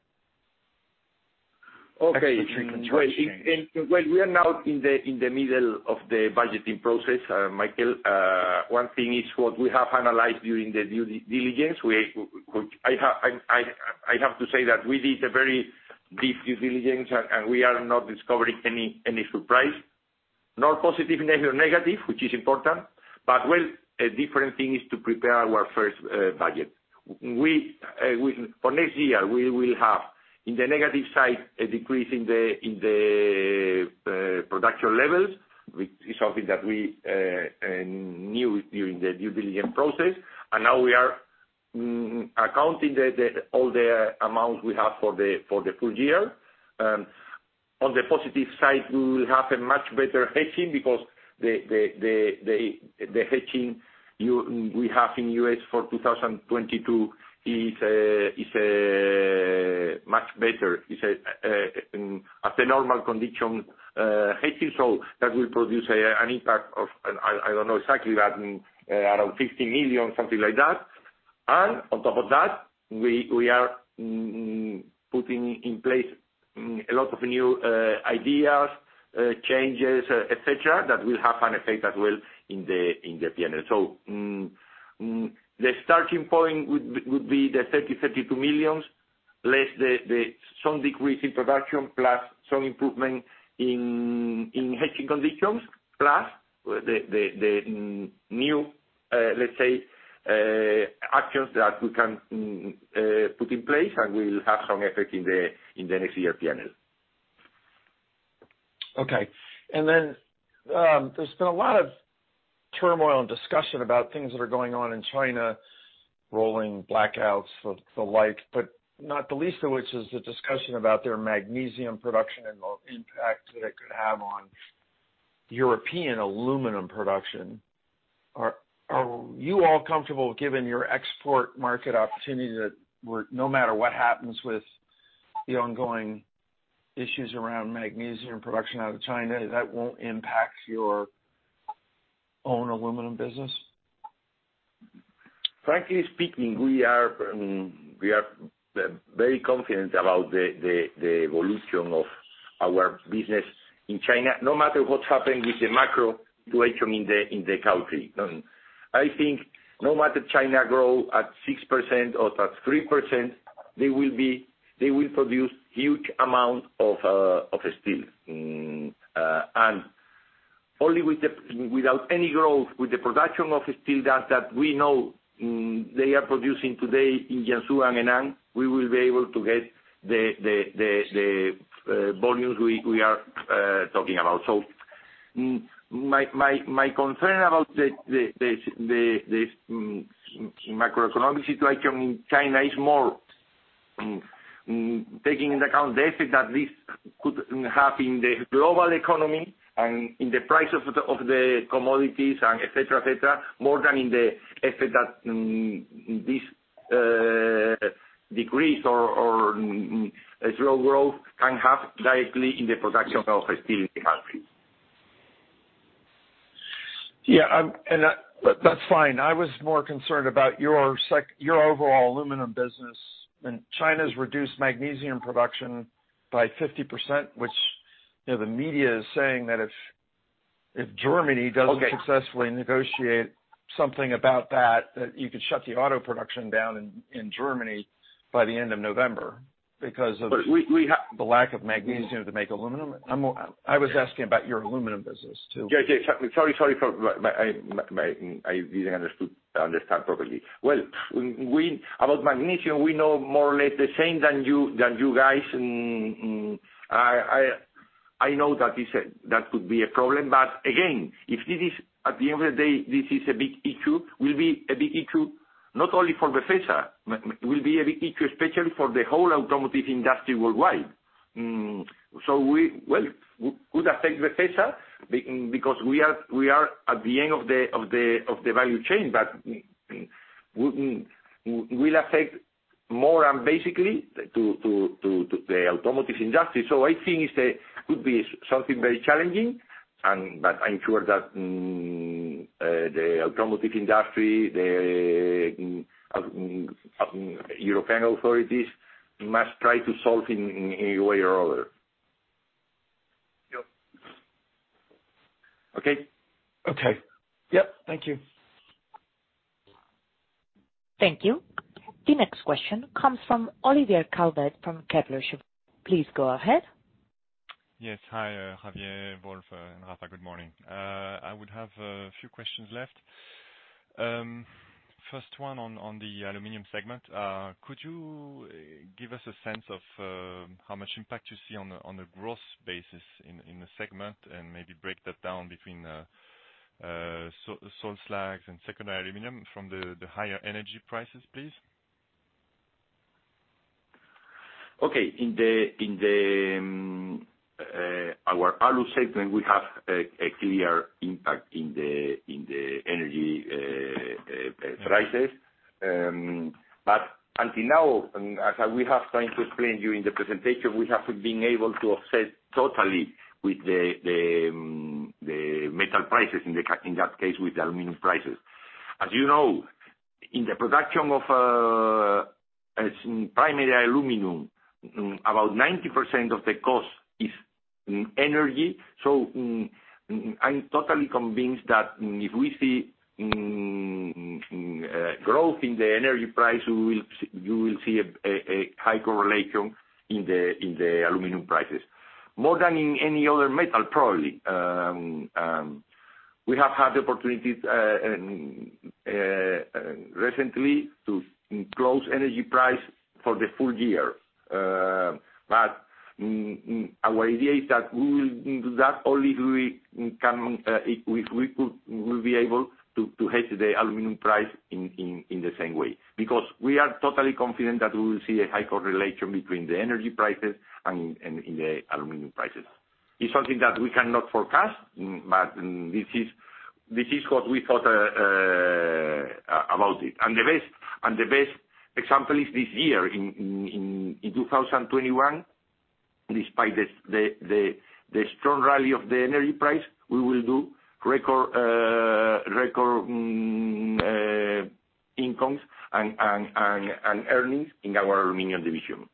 Okay. Except in terms of change. Well, we are now in the middle of the budgeting process, Michael. One thing is what we have analyzed during the due diligence, which I have to say that we did a very deep due diligence, and we are not discovering any surprise, nor positive nor negative, which is important. Well, a different thing is to prepare our first budget. For next year, we will have, in the negative side, a decrease in the production levels. It's something that we knew during the due diligence process. Now we are accounting all the amounts we have for the full year. On the positive side, we will have a much better hedging because the hedging we have in the U.S. for 2022 is much better, as a normal condition, hedging. That will produce an impact of, I don't know exactly, but around 50 million, something like that. On top of that, we are putting in place a lot of new ideas, changes, etc., that will have an effect as well in the P&L. The starting point would be 32 million less some decrease in production plus some improvement in hedging conditions, plus the new, let's say, actions that we can put in place, and we will have some effect in the next year P&L. Okay. There's been a lot of turmoil and discussion about things that are going on in China, rolling blackouts and the like, but not the least of which is the discussion about their magnesium production and the impact that it could have on European aluminum production. Are you all comfortable, given your export market opportunity, that no matter what happens with the ongoing issues around magnesium production out of China, that won't impact your own aluminum business? Frankly speaking, we are very confident about the evolution of our business in China, no matter what happened in the country. I think no matter China grow at 6% or at 3%, they will produce huge amount of steel. And only without any growth with the production of steel that we know they are producing today in Jiangsu and Henan, we will be able to get the volumes we are talking about. My concern about the macroeconomic situation in China is more taking into account the effect that this could have in the global economy and in the price of the commodities and et cetera, et cetera, more than in the effect that this decrease or slow growth can have directly in the production of steel in the country. Yeah, that's fine. I was more concerned about your overall aluminum business. China's reduced magnesium production by 50%, which, you know, the media is saying that if Germany doesn't successfully negotiate something about that, you could shut the auto production down in Germany by the end of November because of. We have The lack of magnesium to make aluminum. I was asking about your aluminum business, too. Sorry, I didn't understand properly. Well, about magnesium, we know more or less the same than you guys. I know that could be a problem. Again, if it is, at the end of the day, this is a big issue. It will be a big issue not only for Gestamp, but it will be a big issue especially for the whole automotive industry worldwide. Well, it could affect Gestamp because we are at the end of the value chain, but it will affect more basically the automotive industry. I think it could be something very challenging, but I'm sure that the automotive industry, the European authorities must try to solve in a way or other. Yep. Okay. Okay. Yep. Thank you. Thank you. The next question comes from Olivier Calvet from Kepler Cheuvreux. Please go ahead. Yes. Hi, Javier, Wolf, and Rafa, good morning. I would have a few questions left. First one on the aluminum segment. Could you give us a sense of how much impact you see on a gross basis in the segment, and maybe break that down between salt slags and secondary aluminum from the higher energy prices, please? Okay. In our Alu segment, we have a clear impact in the energy prices. Until now, as we have tried to explain to you in the presentation, we have been able to offset totally with the metal prices in that case, with the aluminum prices. As you know, in the production of primary aluminum, about 90% of the cost is energy. I'm totally convinced that if we see growth in the energy price, you will see a high correlation in the aluminum prices, more than in any other metal, probably. We have had the opportunities recently to close energy price for the full year. Our idea is that we will do that only if we will be able to hedge the aluminum price in the same way, because we are totally confident that we will see a high correlation between the energy prices and the aluminum prices. It's something that we cannot forecast, this is what we thought about it. The best example is this year, in 2021, despite the strong rally of the energy price, we will do record incomes and earnings in our aluminum division.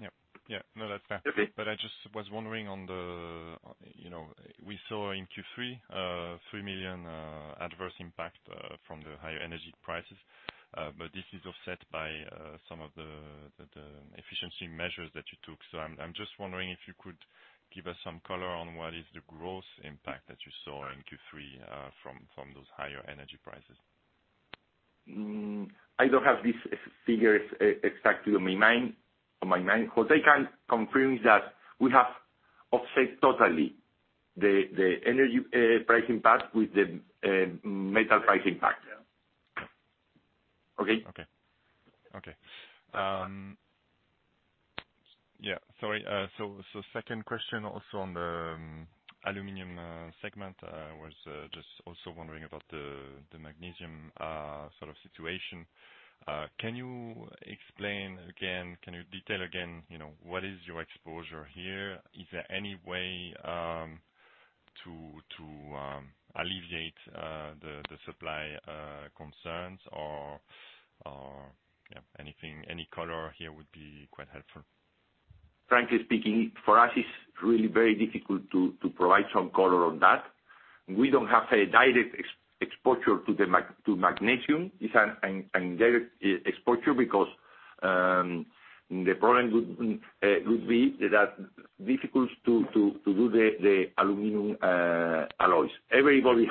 Yeah. Yeah. No, that's fair. Okay. I just was wondering on the, you know, we saw in Q3, 3 million adverse impact from the higher energy prices. This is offset by some of the efficiency measures that you took. I'm just wondering if you could give us some color on what is the growth impact that you saw in Q3 from those higher energy prices. I don't have these figures exactly on my mind. Jose can confirm that we have offset totally the energy price impact with the metal price impact. Yeah. Okay? Yeah, sorry. Second question also on the aluminum segment. I was just also wondering about the magnesium sort of situation. Can you explain again, can you detail again, you know, what is your exposure here? Is there any way to alleviate the supply concerns or, yeah, anything, any color here would be quite helpful. Frankly speaking, for us, it's really very difficult to provide some color on that. We don't have a direct exposure to magnesium. It's an indirect exposure because the problem would be that difficult to do the aluminum alloys. Everybody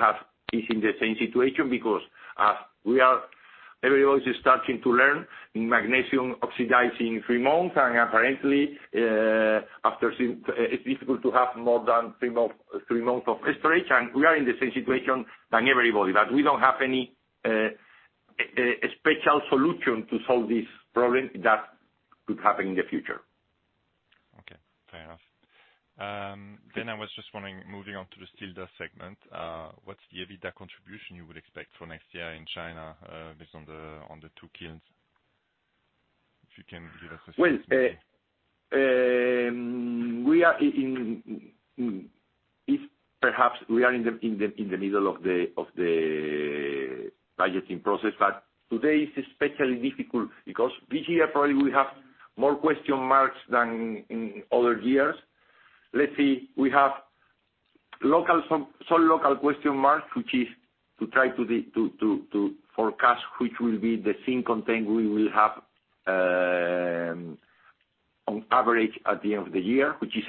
is in the same situation because everybody is starting to learn, magnesium oxidizing three months, and apparently, after seeing it's difficult to have more than three months of storage. We are in the same situation than everybody, that we don't have any special solution to solve this problem that could happen in the future. Okay. Fair enough. I was just wondering, moving on to the steel dust segment, what's the EBITDA contribution you would expect for next year in China, based on the two kilns? If you can give us a sense, maybe. Well, if perhaps we are in the middle of the budgeting process. Today is especially difficult because this year probably we have more question marks than in other years. Let's see, we have some local question marks, which is to try to forecast which will be the zinc content we will have on average at the end of the year, which is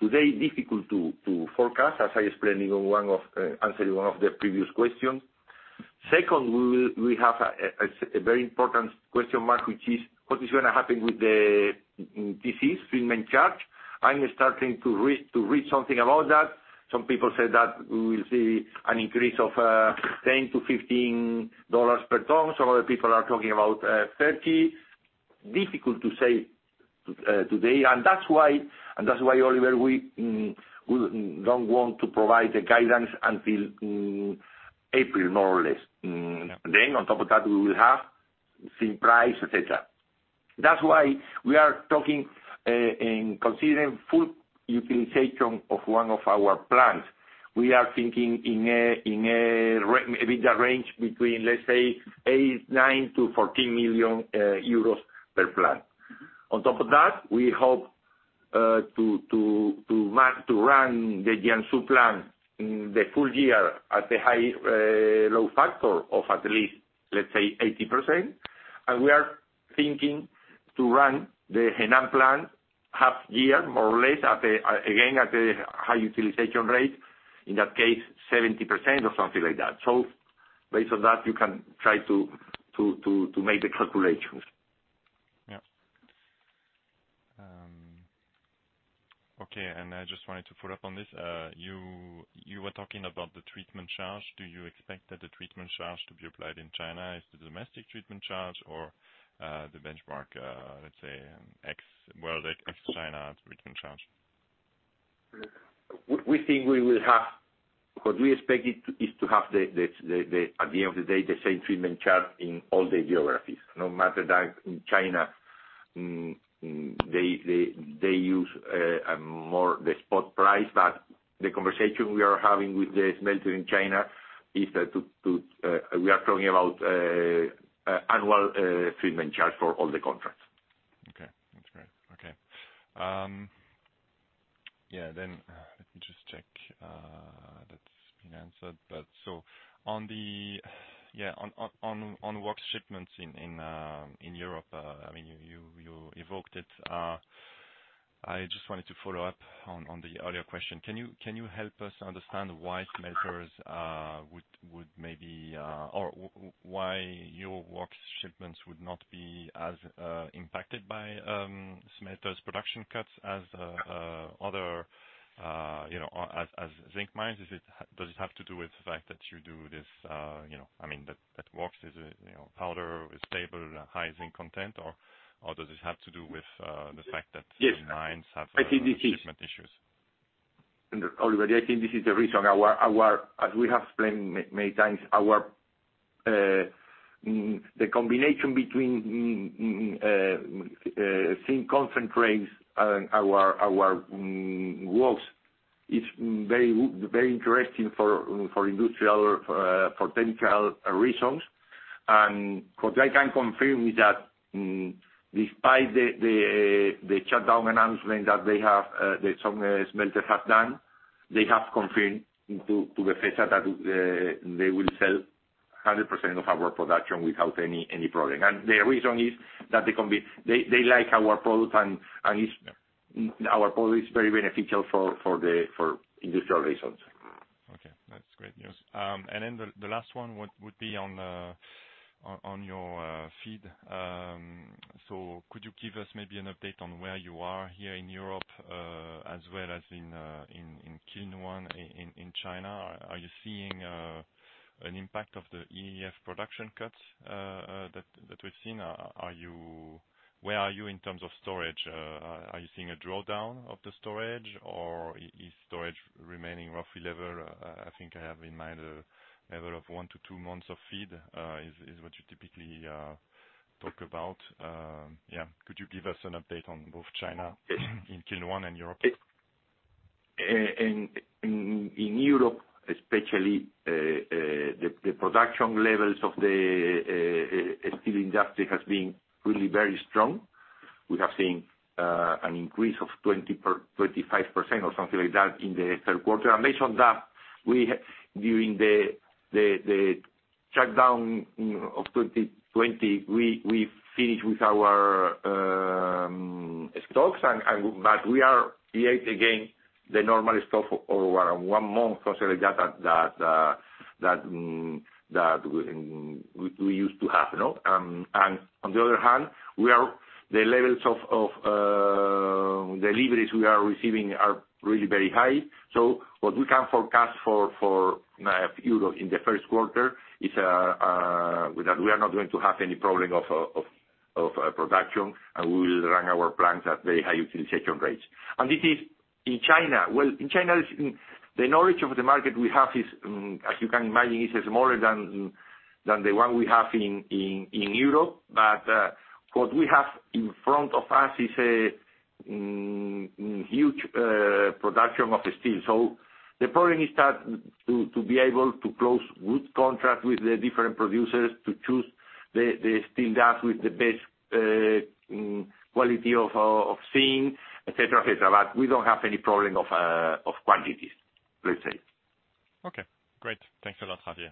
today difficult to forecast, as I explained in one of the previous questions. Second, we have a very important question mark, which is what is gonna happen with the TC, treatment charge. I'm starting to read something about that. Some people say that we will see an increase of $10-$15 per ton. Some other people are talking about $30. Difficult to say today. That's why, Olivier, we don't want to provide a guidance until April, more or less. On top of that, we will have same price, et cetera. That's why we are talking in considering full utilization of one of our plants. We are thinking in a EBITDA range between, let's say, 89 million euros- EUR 140 million per plant. On top of that, we hope to run the Jiangsu plant in the full year at a load factor of at least, let's say, 80%. We are thinking to run the Henan plant half year, more or less, at a, again, at a high utilization rate, in that case, 70% or something like that. Based on that, you can try to make the calculations. Yeah. Okay, I just wanted to follow up on this. You were talking about the treatment charge. Do you expect that the treatment charge to be applied in China is the domestic treatment charge or the benchmark, let's say, ex world, ex-China treatment charge? What we expect is to have, at the end of the day, the same treatment charge in all the geographies. No matter that in China, they use more the spot price. The conversation we are having with the smelter in China is we are talking about annual treatment charge for all the contracts. Okay. That's great. Okay. Yeah, then, let me just check. That's been answered. On the... Yeah, on WOX shipments in Europe, I mean, you evoked it. I just wanted to follow up on the earlier question. Can you help us understand why smelters would maybe or why your WOX shipments would not be as impacted by smelters' production cuts as other, you know, as zinc mines? Is it? Does it have to do with the fact that you do this, you know, I mean, that WOX is a powder, stable, high zinc content, or does it have to do with the fact that- Yes. The mines have. I think this is- shipment issues. Olivier, I think this is the reason. As we have explained many times, the combination between zinc concentrates and our WOX is very interesting for industrial potential reasons. What I can confirm is that, despite the shutdown announcement that some smelters have done, they have confirmed to Befesa that they will sell 100% of our WOX production without any problem. The reason is that they like our product and it's very beneficial for industrial reasons. Okay. That's great news. The last one would be on your feed. Could you give us maybe an update on where you are here in Europe, as well as in Qinhuangdao in China? Are you seeing an impact of the EAF production cuts that we've seen? Where are you in terms of storage? Are you seeing a drawdown of the storage, or is storage remaining roughly level? I think I have in mind a level of one to two months of feed, is what you typically talk about. Yeah. Could you give us an update on both China in Q1 and Europe? In Europe, especially, the production levels of the steel industry has been really very strong. We have seen an increase of 25% or something like that in the third quarter. Based on that, during the shutdown, you know, of 2020, we finished with our stocks and but we have again the normal stock over one month or something like that that we used to have, you know. On the other hand, the levels of deliveries we are receiving are really very high. What we can forecast for Europe in the first quarter is that we are not going to have any problem of production, and we will run our plants at very high utilization rates. This is in China. Well, the knowledge of the market we have is, as you can imagine, smaller than the one we have in Europe. What we have in front of us is a huge production of the steel. The problem is that to be able to close good contract with the different producers to choose the steel dust with the best quality of zinc, et cetera, et cetera. We don't have any problem of quantities, let's say. Okay, great. Thanks a lot, Javier.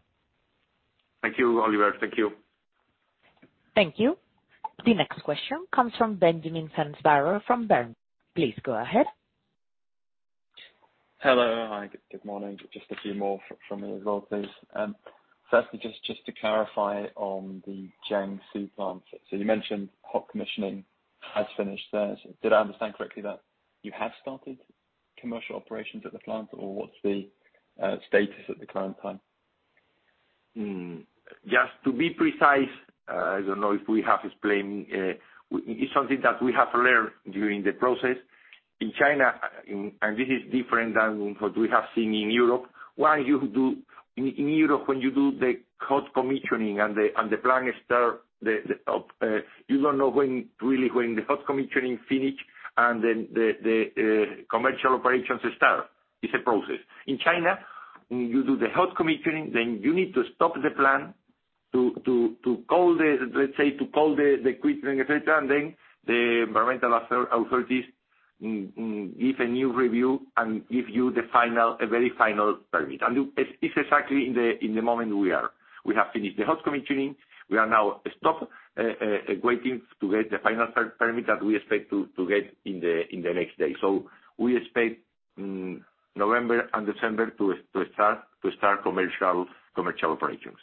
Thank you, Olivier. Thank you. Thank you. The next question comes from Benjamin Gough from Berenberg. Please go ahead. Hello. Hi, good morning. Just a few more from me as well, please. Firstly, just to clarify on the Jiangsu plant. You mentioned hot commissioning has finished there. Did I understand correctly that you have started commercial operations at the plant or what's the status at the current time? Just to be precise, I don't know if we have explained, it's something that we have learned during the process. In China, and this is different than what we have seen in Europe, while you do in Europe, when you do the cold commissioning and the plant starts, you don't know when, really when the hot commissioning finishes and then the commercial operations start. It's a process. In China, you do the hot commissioning, then you need to stop the plant to call the equipment, et cetera, and then the environmental authorities give a new review and give you the final, a very final permit. It's exactly in the moment we are. We have finished the hot commissioning. We are now stopped, waiting to get the final permit that we expect to get in the next day. We expect November and December to start commercial operations.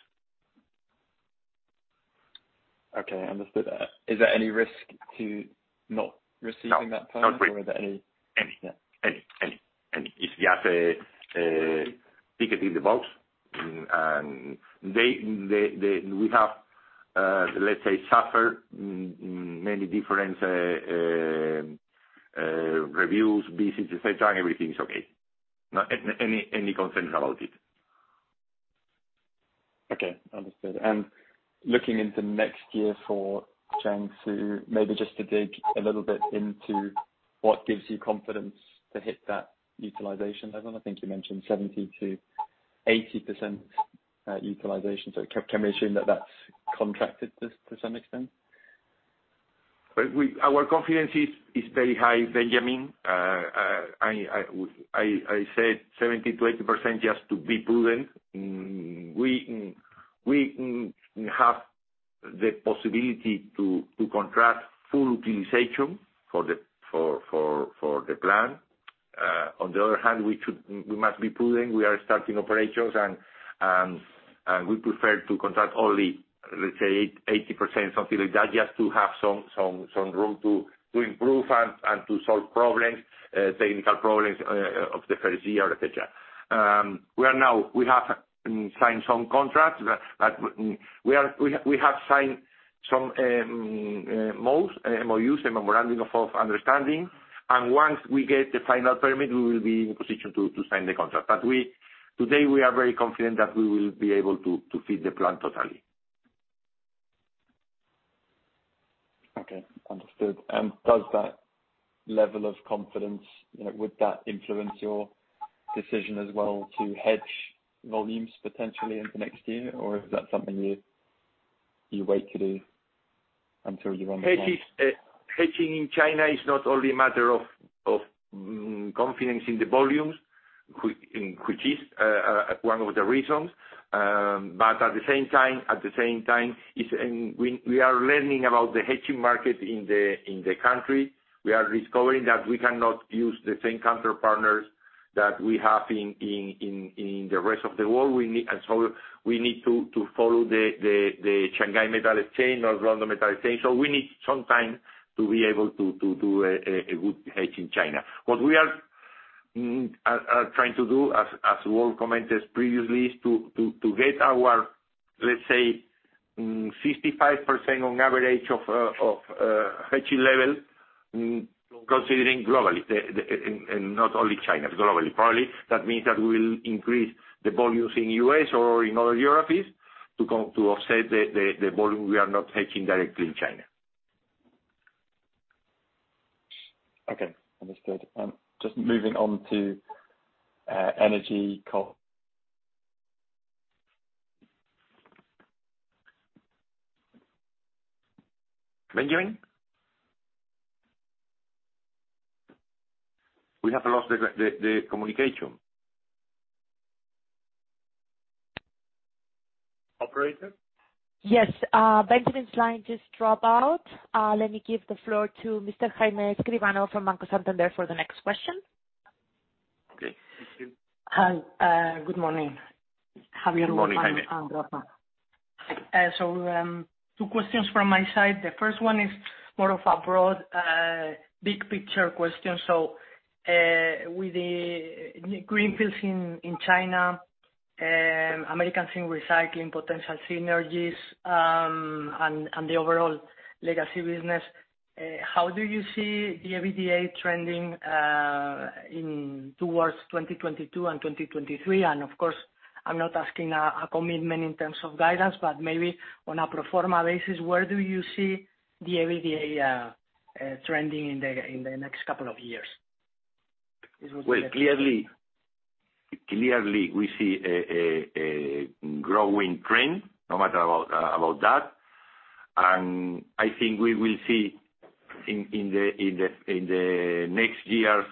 Okay, understood. Is there any risk to not receiving that permit? No. Not really. Or are there any- Any. Yeah. It's just tick the box. We have, let's say, suffered many different reviews, visits, et cetera, and everything is okay, not any concerns about it. Okay, understood. Looking into next year for Jiangsu, maybe just to dig a little bit into what gives you confidence to hit that utilization level. I think you mentioned 70%-80% utilization. Can we assume that that's contracted to some extent? Our confidence is very high, Benjamin. I said 70%-80% just to be prudent. We have the possibility to contract full utilization for the plant. On the other hand, we must be prudent. We are starting operations and we prefer to contract only, let's say, 80%, something like that, just to have some room to improve and to solve problems, technical problems of the first year, et cetera. We have signed some MOUs, memoranda of understanding, and once we get the final permit, we will be in a position to sign the contract. Today we are very confident that we will be able to feed the plant totally. Okay, understood. Does that level of confidence, you know, would that influence your decision as well to hedge volumes potentially into next year? Or is that something you wait to do until you run the plant? Hedging in China is not only a matter of confidence in the volumes, which is one of the reasons, but at the same time, we are learning about the hedging market in the country. We are discovering that we cannot use the same counterparties that we have in the rest of the world. We need to follow the Shanghai Futures Exchange or London Metal Exchange. We need some time to be able to do a good hedge in China. What we are trying to do as Rafael commented previously is to get our, let's say, 65% on average of hedge level considering globally, not only China, globally. Probably that means that we'll increase the volumes in U.S. or in other Europes to offset the volume we are not taking directly in China. Okay. Understood. Just moving on to energy co- Benjamin? We have lost the communication. Operator? Yes. Benjamin's line just dropped out. Let me give the floor to Mr. Jaime Escribano from Banco Santander for the next question. Okay. Thank you. Hi. Good morning. Good morning, Jaime. Two questions from my side. The first one is more of a broad, big picture question. With the greenfields in China, American zinc recycling potential synergies, and the overall legacy business, how do you see the EBITDA trending towards 2022 and 2023? Of course, I'm not asking a commitment in terms of guidance, but maybe on a pro forma basis, where do you see the EBITDA trending in the next couple of years? Well, clearly we see a growing trend, no matter about that. I think we will see in the next year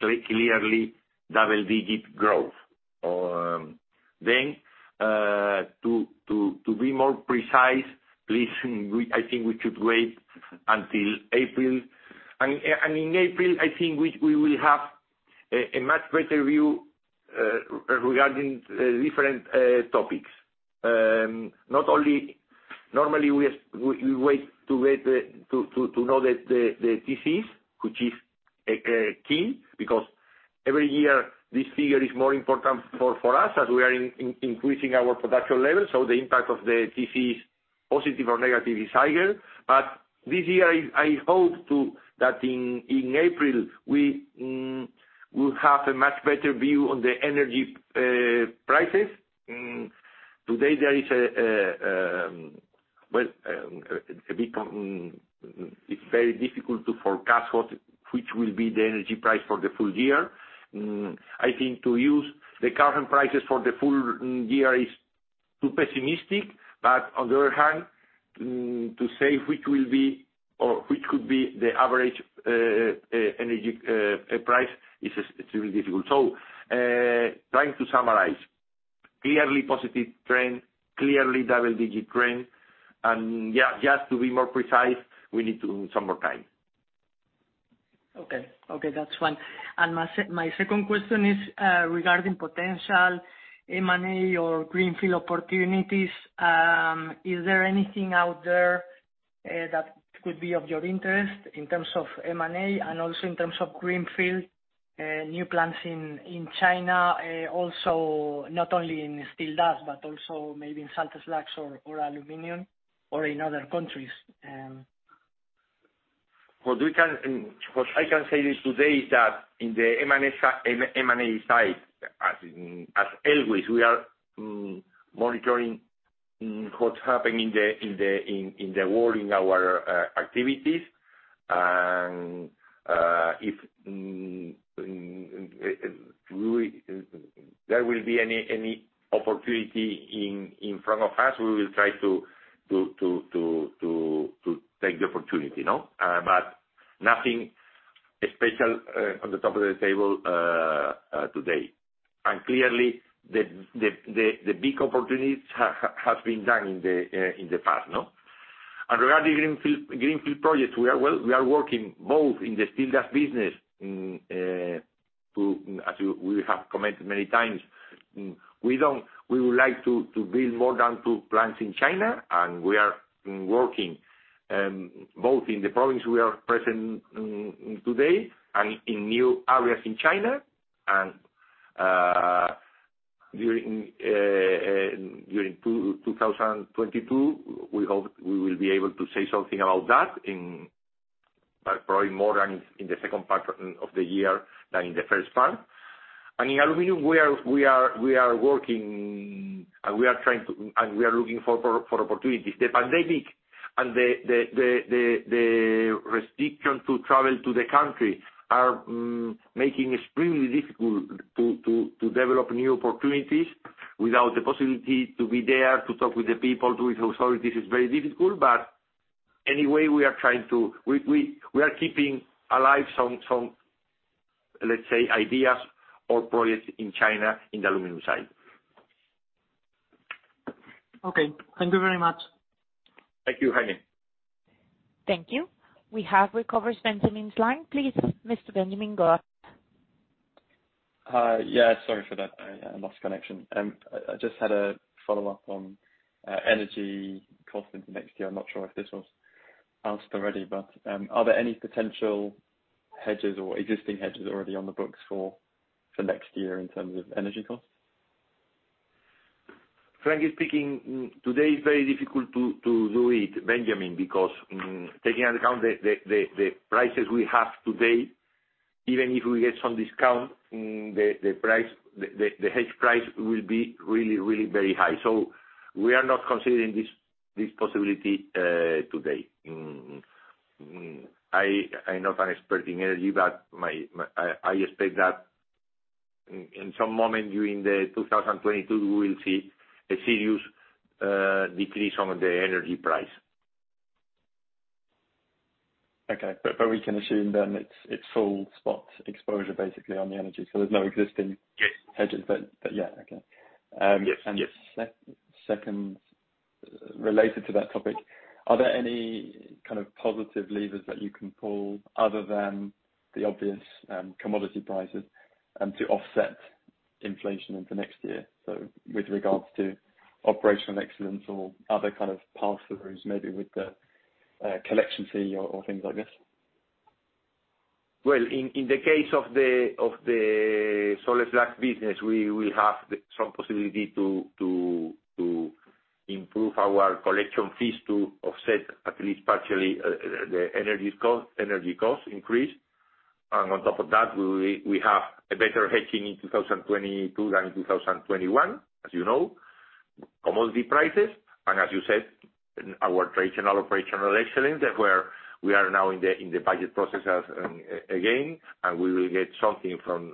clearly double-digit growth. Then, to be more precise, we, I think we should wait until April. In April, I think we will have a much better view regarding different topics. Normally we wait to know the TCs, which is key, because every year this figure is more important for us as we are increasing our production levels, so the impact of the TC, positive or negative, is higher. This year I hope that in April we will have a much better view on the energy prices. Today it's very difficult to forecast which will be the energy price for the full year. I think to use the current prices for the full year is too pessimistic, but on the other hand, to say which will be or which could be the average energy price is really difficult. Trying to summarize: clearly positive trend, clearly double digit trend, and yeah, just to be more precise, we need some more time. Okay. Okay, that's fine. My second question is regarding potential M&A or greenfield opportunities. Is there anything out there that could be of your interest in terms of M&A and also in terms of greenfield new plants in China, also not only in steel dust, but also maybe in salt slags or aluminum or in other countries. What I can say today is that in the M&A side, as always, we are monitoring what's happening in the world in our activities. If there will be any opportunity in front of us, we will try to take the opportunity, you know? But nothing special on the top of the table today. Clearly the big opportunities has been done in the past, no? Regarding greenfield projects, we are working both in the steel dust business. We have commented many times, we would like to build more than two plants in China, and we are working both in the province we are present today and in new areas in China. During 2022, we hope we will be able to say something about that, probably more in the second part of the year than in the first part. In aluminum, we are working and we are trying to, and we are looking for opportunities. The pandemic and the restrictions to travel to the country are making extremely difficult to develop new opportunities without the possibility to be there, to talk with the people, to it. This is very difficult, but anyway, we are trying to keep alive some, let's say, ideas or projects in China in the aluminum side. Okay. Thank you very much. Thank you, Jaime. Thank you. We have recovered Benjamin's line. Please, Mr. Benjamin Gough. Yeah, sorry for that. I lost connection. I just had a follow-up on energy cost into next year. I'm not sure if this was asked already, but are there any potential hedges or existing hedges already on the books for next year in terms of energy costs? Frankly speaking, today is very difficult to do it, Benjamin, because taking into account the prices we have today, even if we get some discount, the hedge price will be really, really very high. We are not considering this possibility today. I'm not an expert in energy, but I expect that in some moment during 2022, we will see a serious decrease in the energy price. Okay. We can assume then it's full spot exposure basically on the energy. There's no existing- Yes. hedges, but yeah. Okay. Yes. Second, related to that topic, are there any kind of positive levers that you can pull other than the obvious, commodity prices, to offset inflation into next year? With regards to operational excellence or other kind of pass-throughs, maybe with the collection fee or things like this. Well, in the case of the salt slag business, we will have the strong possibility to improve our collection fees to offset at least partially the energy cost increase. On top of that, we have a better hedging in 2022 than in 2021, as you know. Commodity prices, and as you said, our traditional operational excellence, where we are now in the budget processes, again, and we will get something from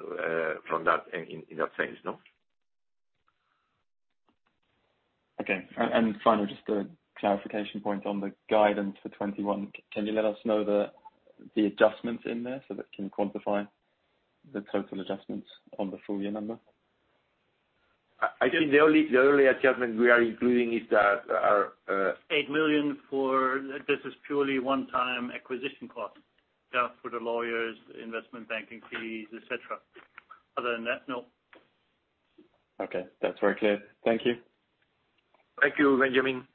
that in that sense, no? Finally, just a clarification point on the guidance for 2021. Can you let us know the adjustments in there so that I can quantify the total adjustments on the full year number? I think the only adjustment we are including is that our 8 million. This is purely one-time acquisition costs. Yeah, for the lawyers, investment banking fees, et cetera. Other than that, no. Okay. That's very clear. Thank you. Thank you, Benjamin.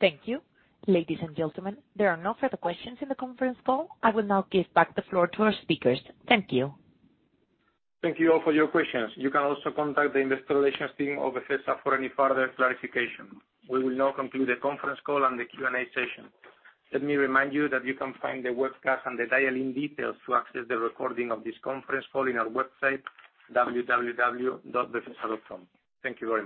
Thank you. Ladies and gentlemen, there are no further questions in the conference call. I will now give back the floor to our speakers. Thank you. Thank you all for your questions. You can also contact the investor relations team of Befesa for any further clarification. We will now conclude the conference call and the Q&A session. Let me remind you that you can find the webcast and the dial-in details to access the recording of this conference call in our website, www.befesa.com. Thank you very much.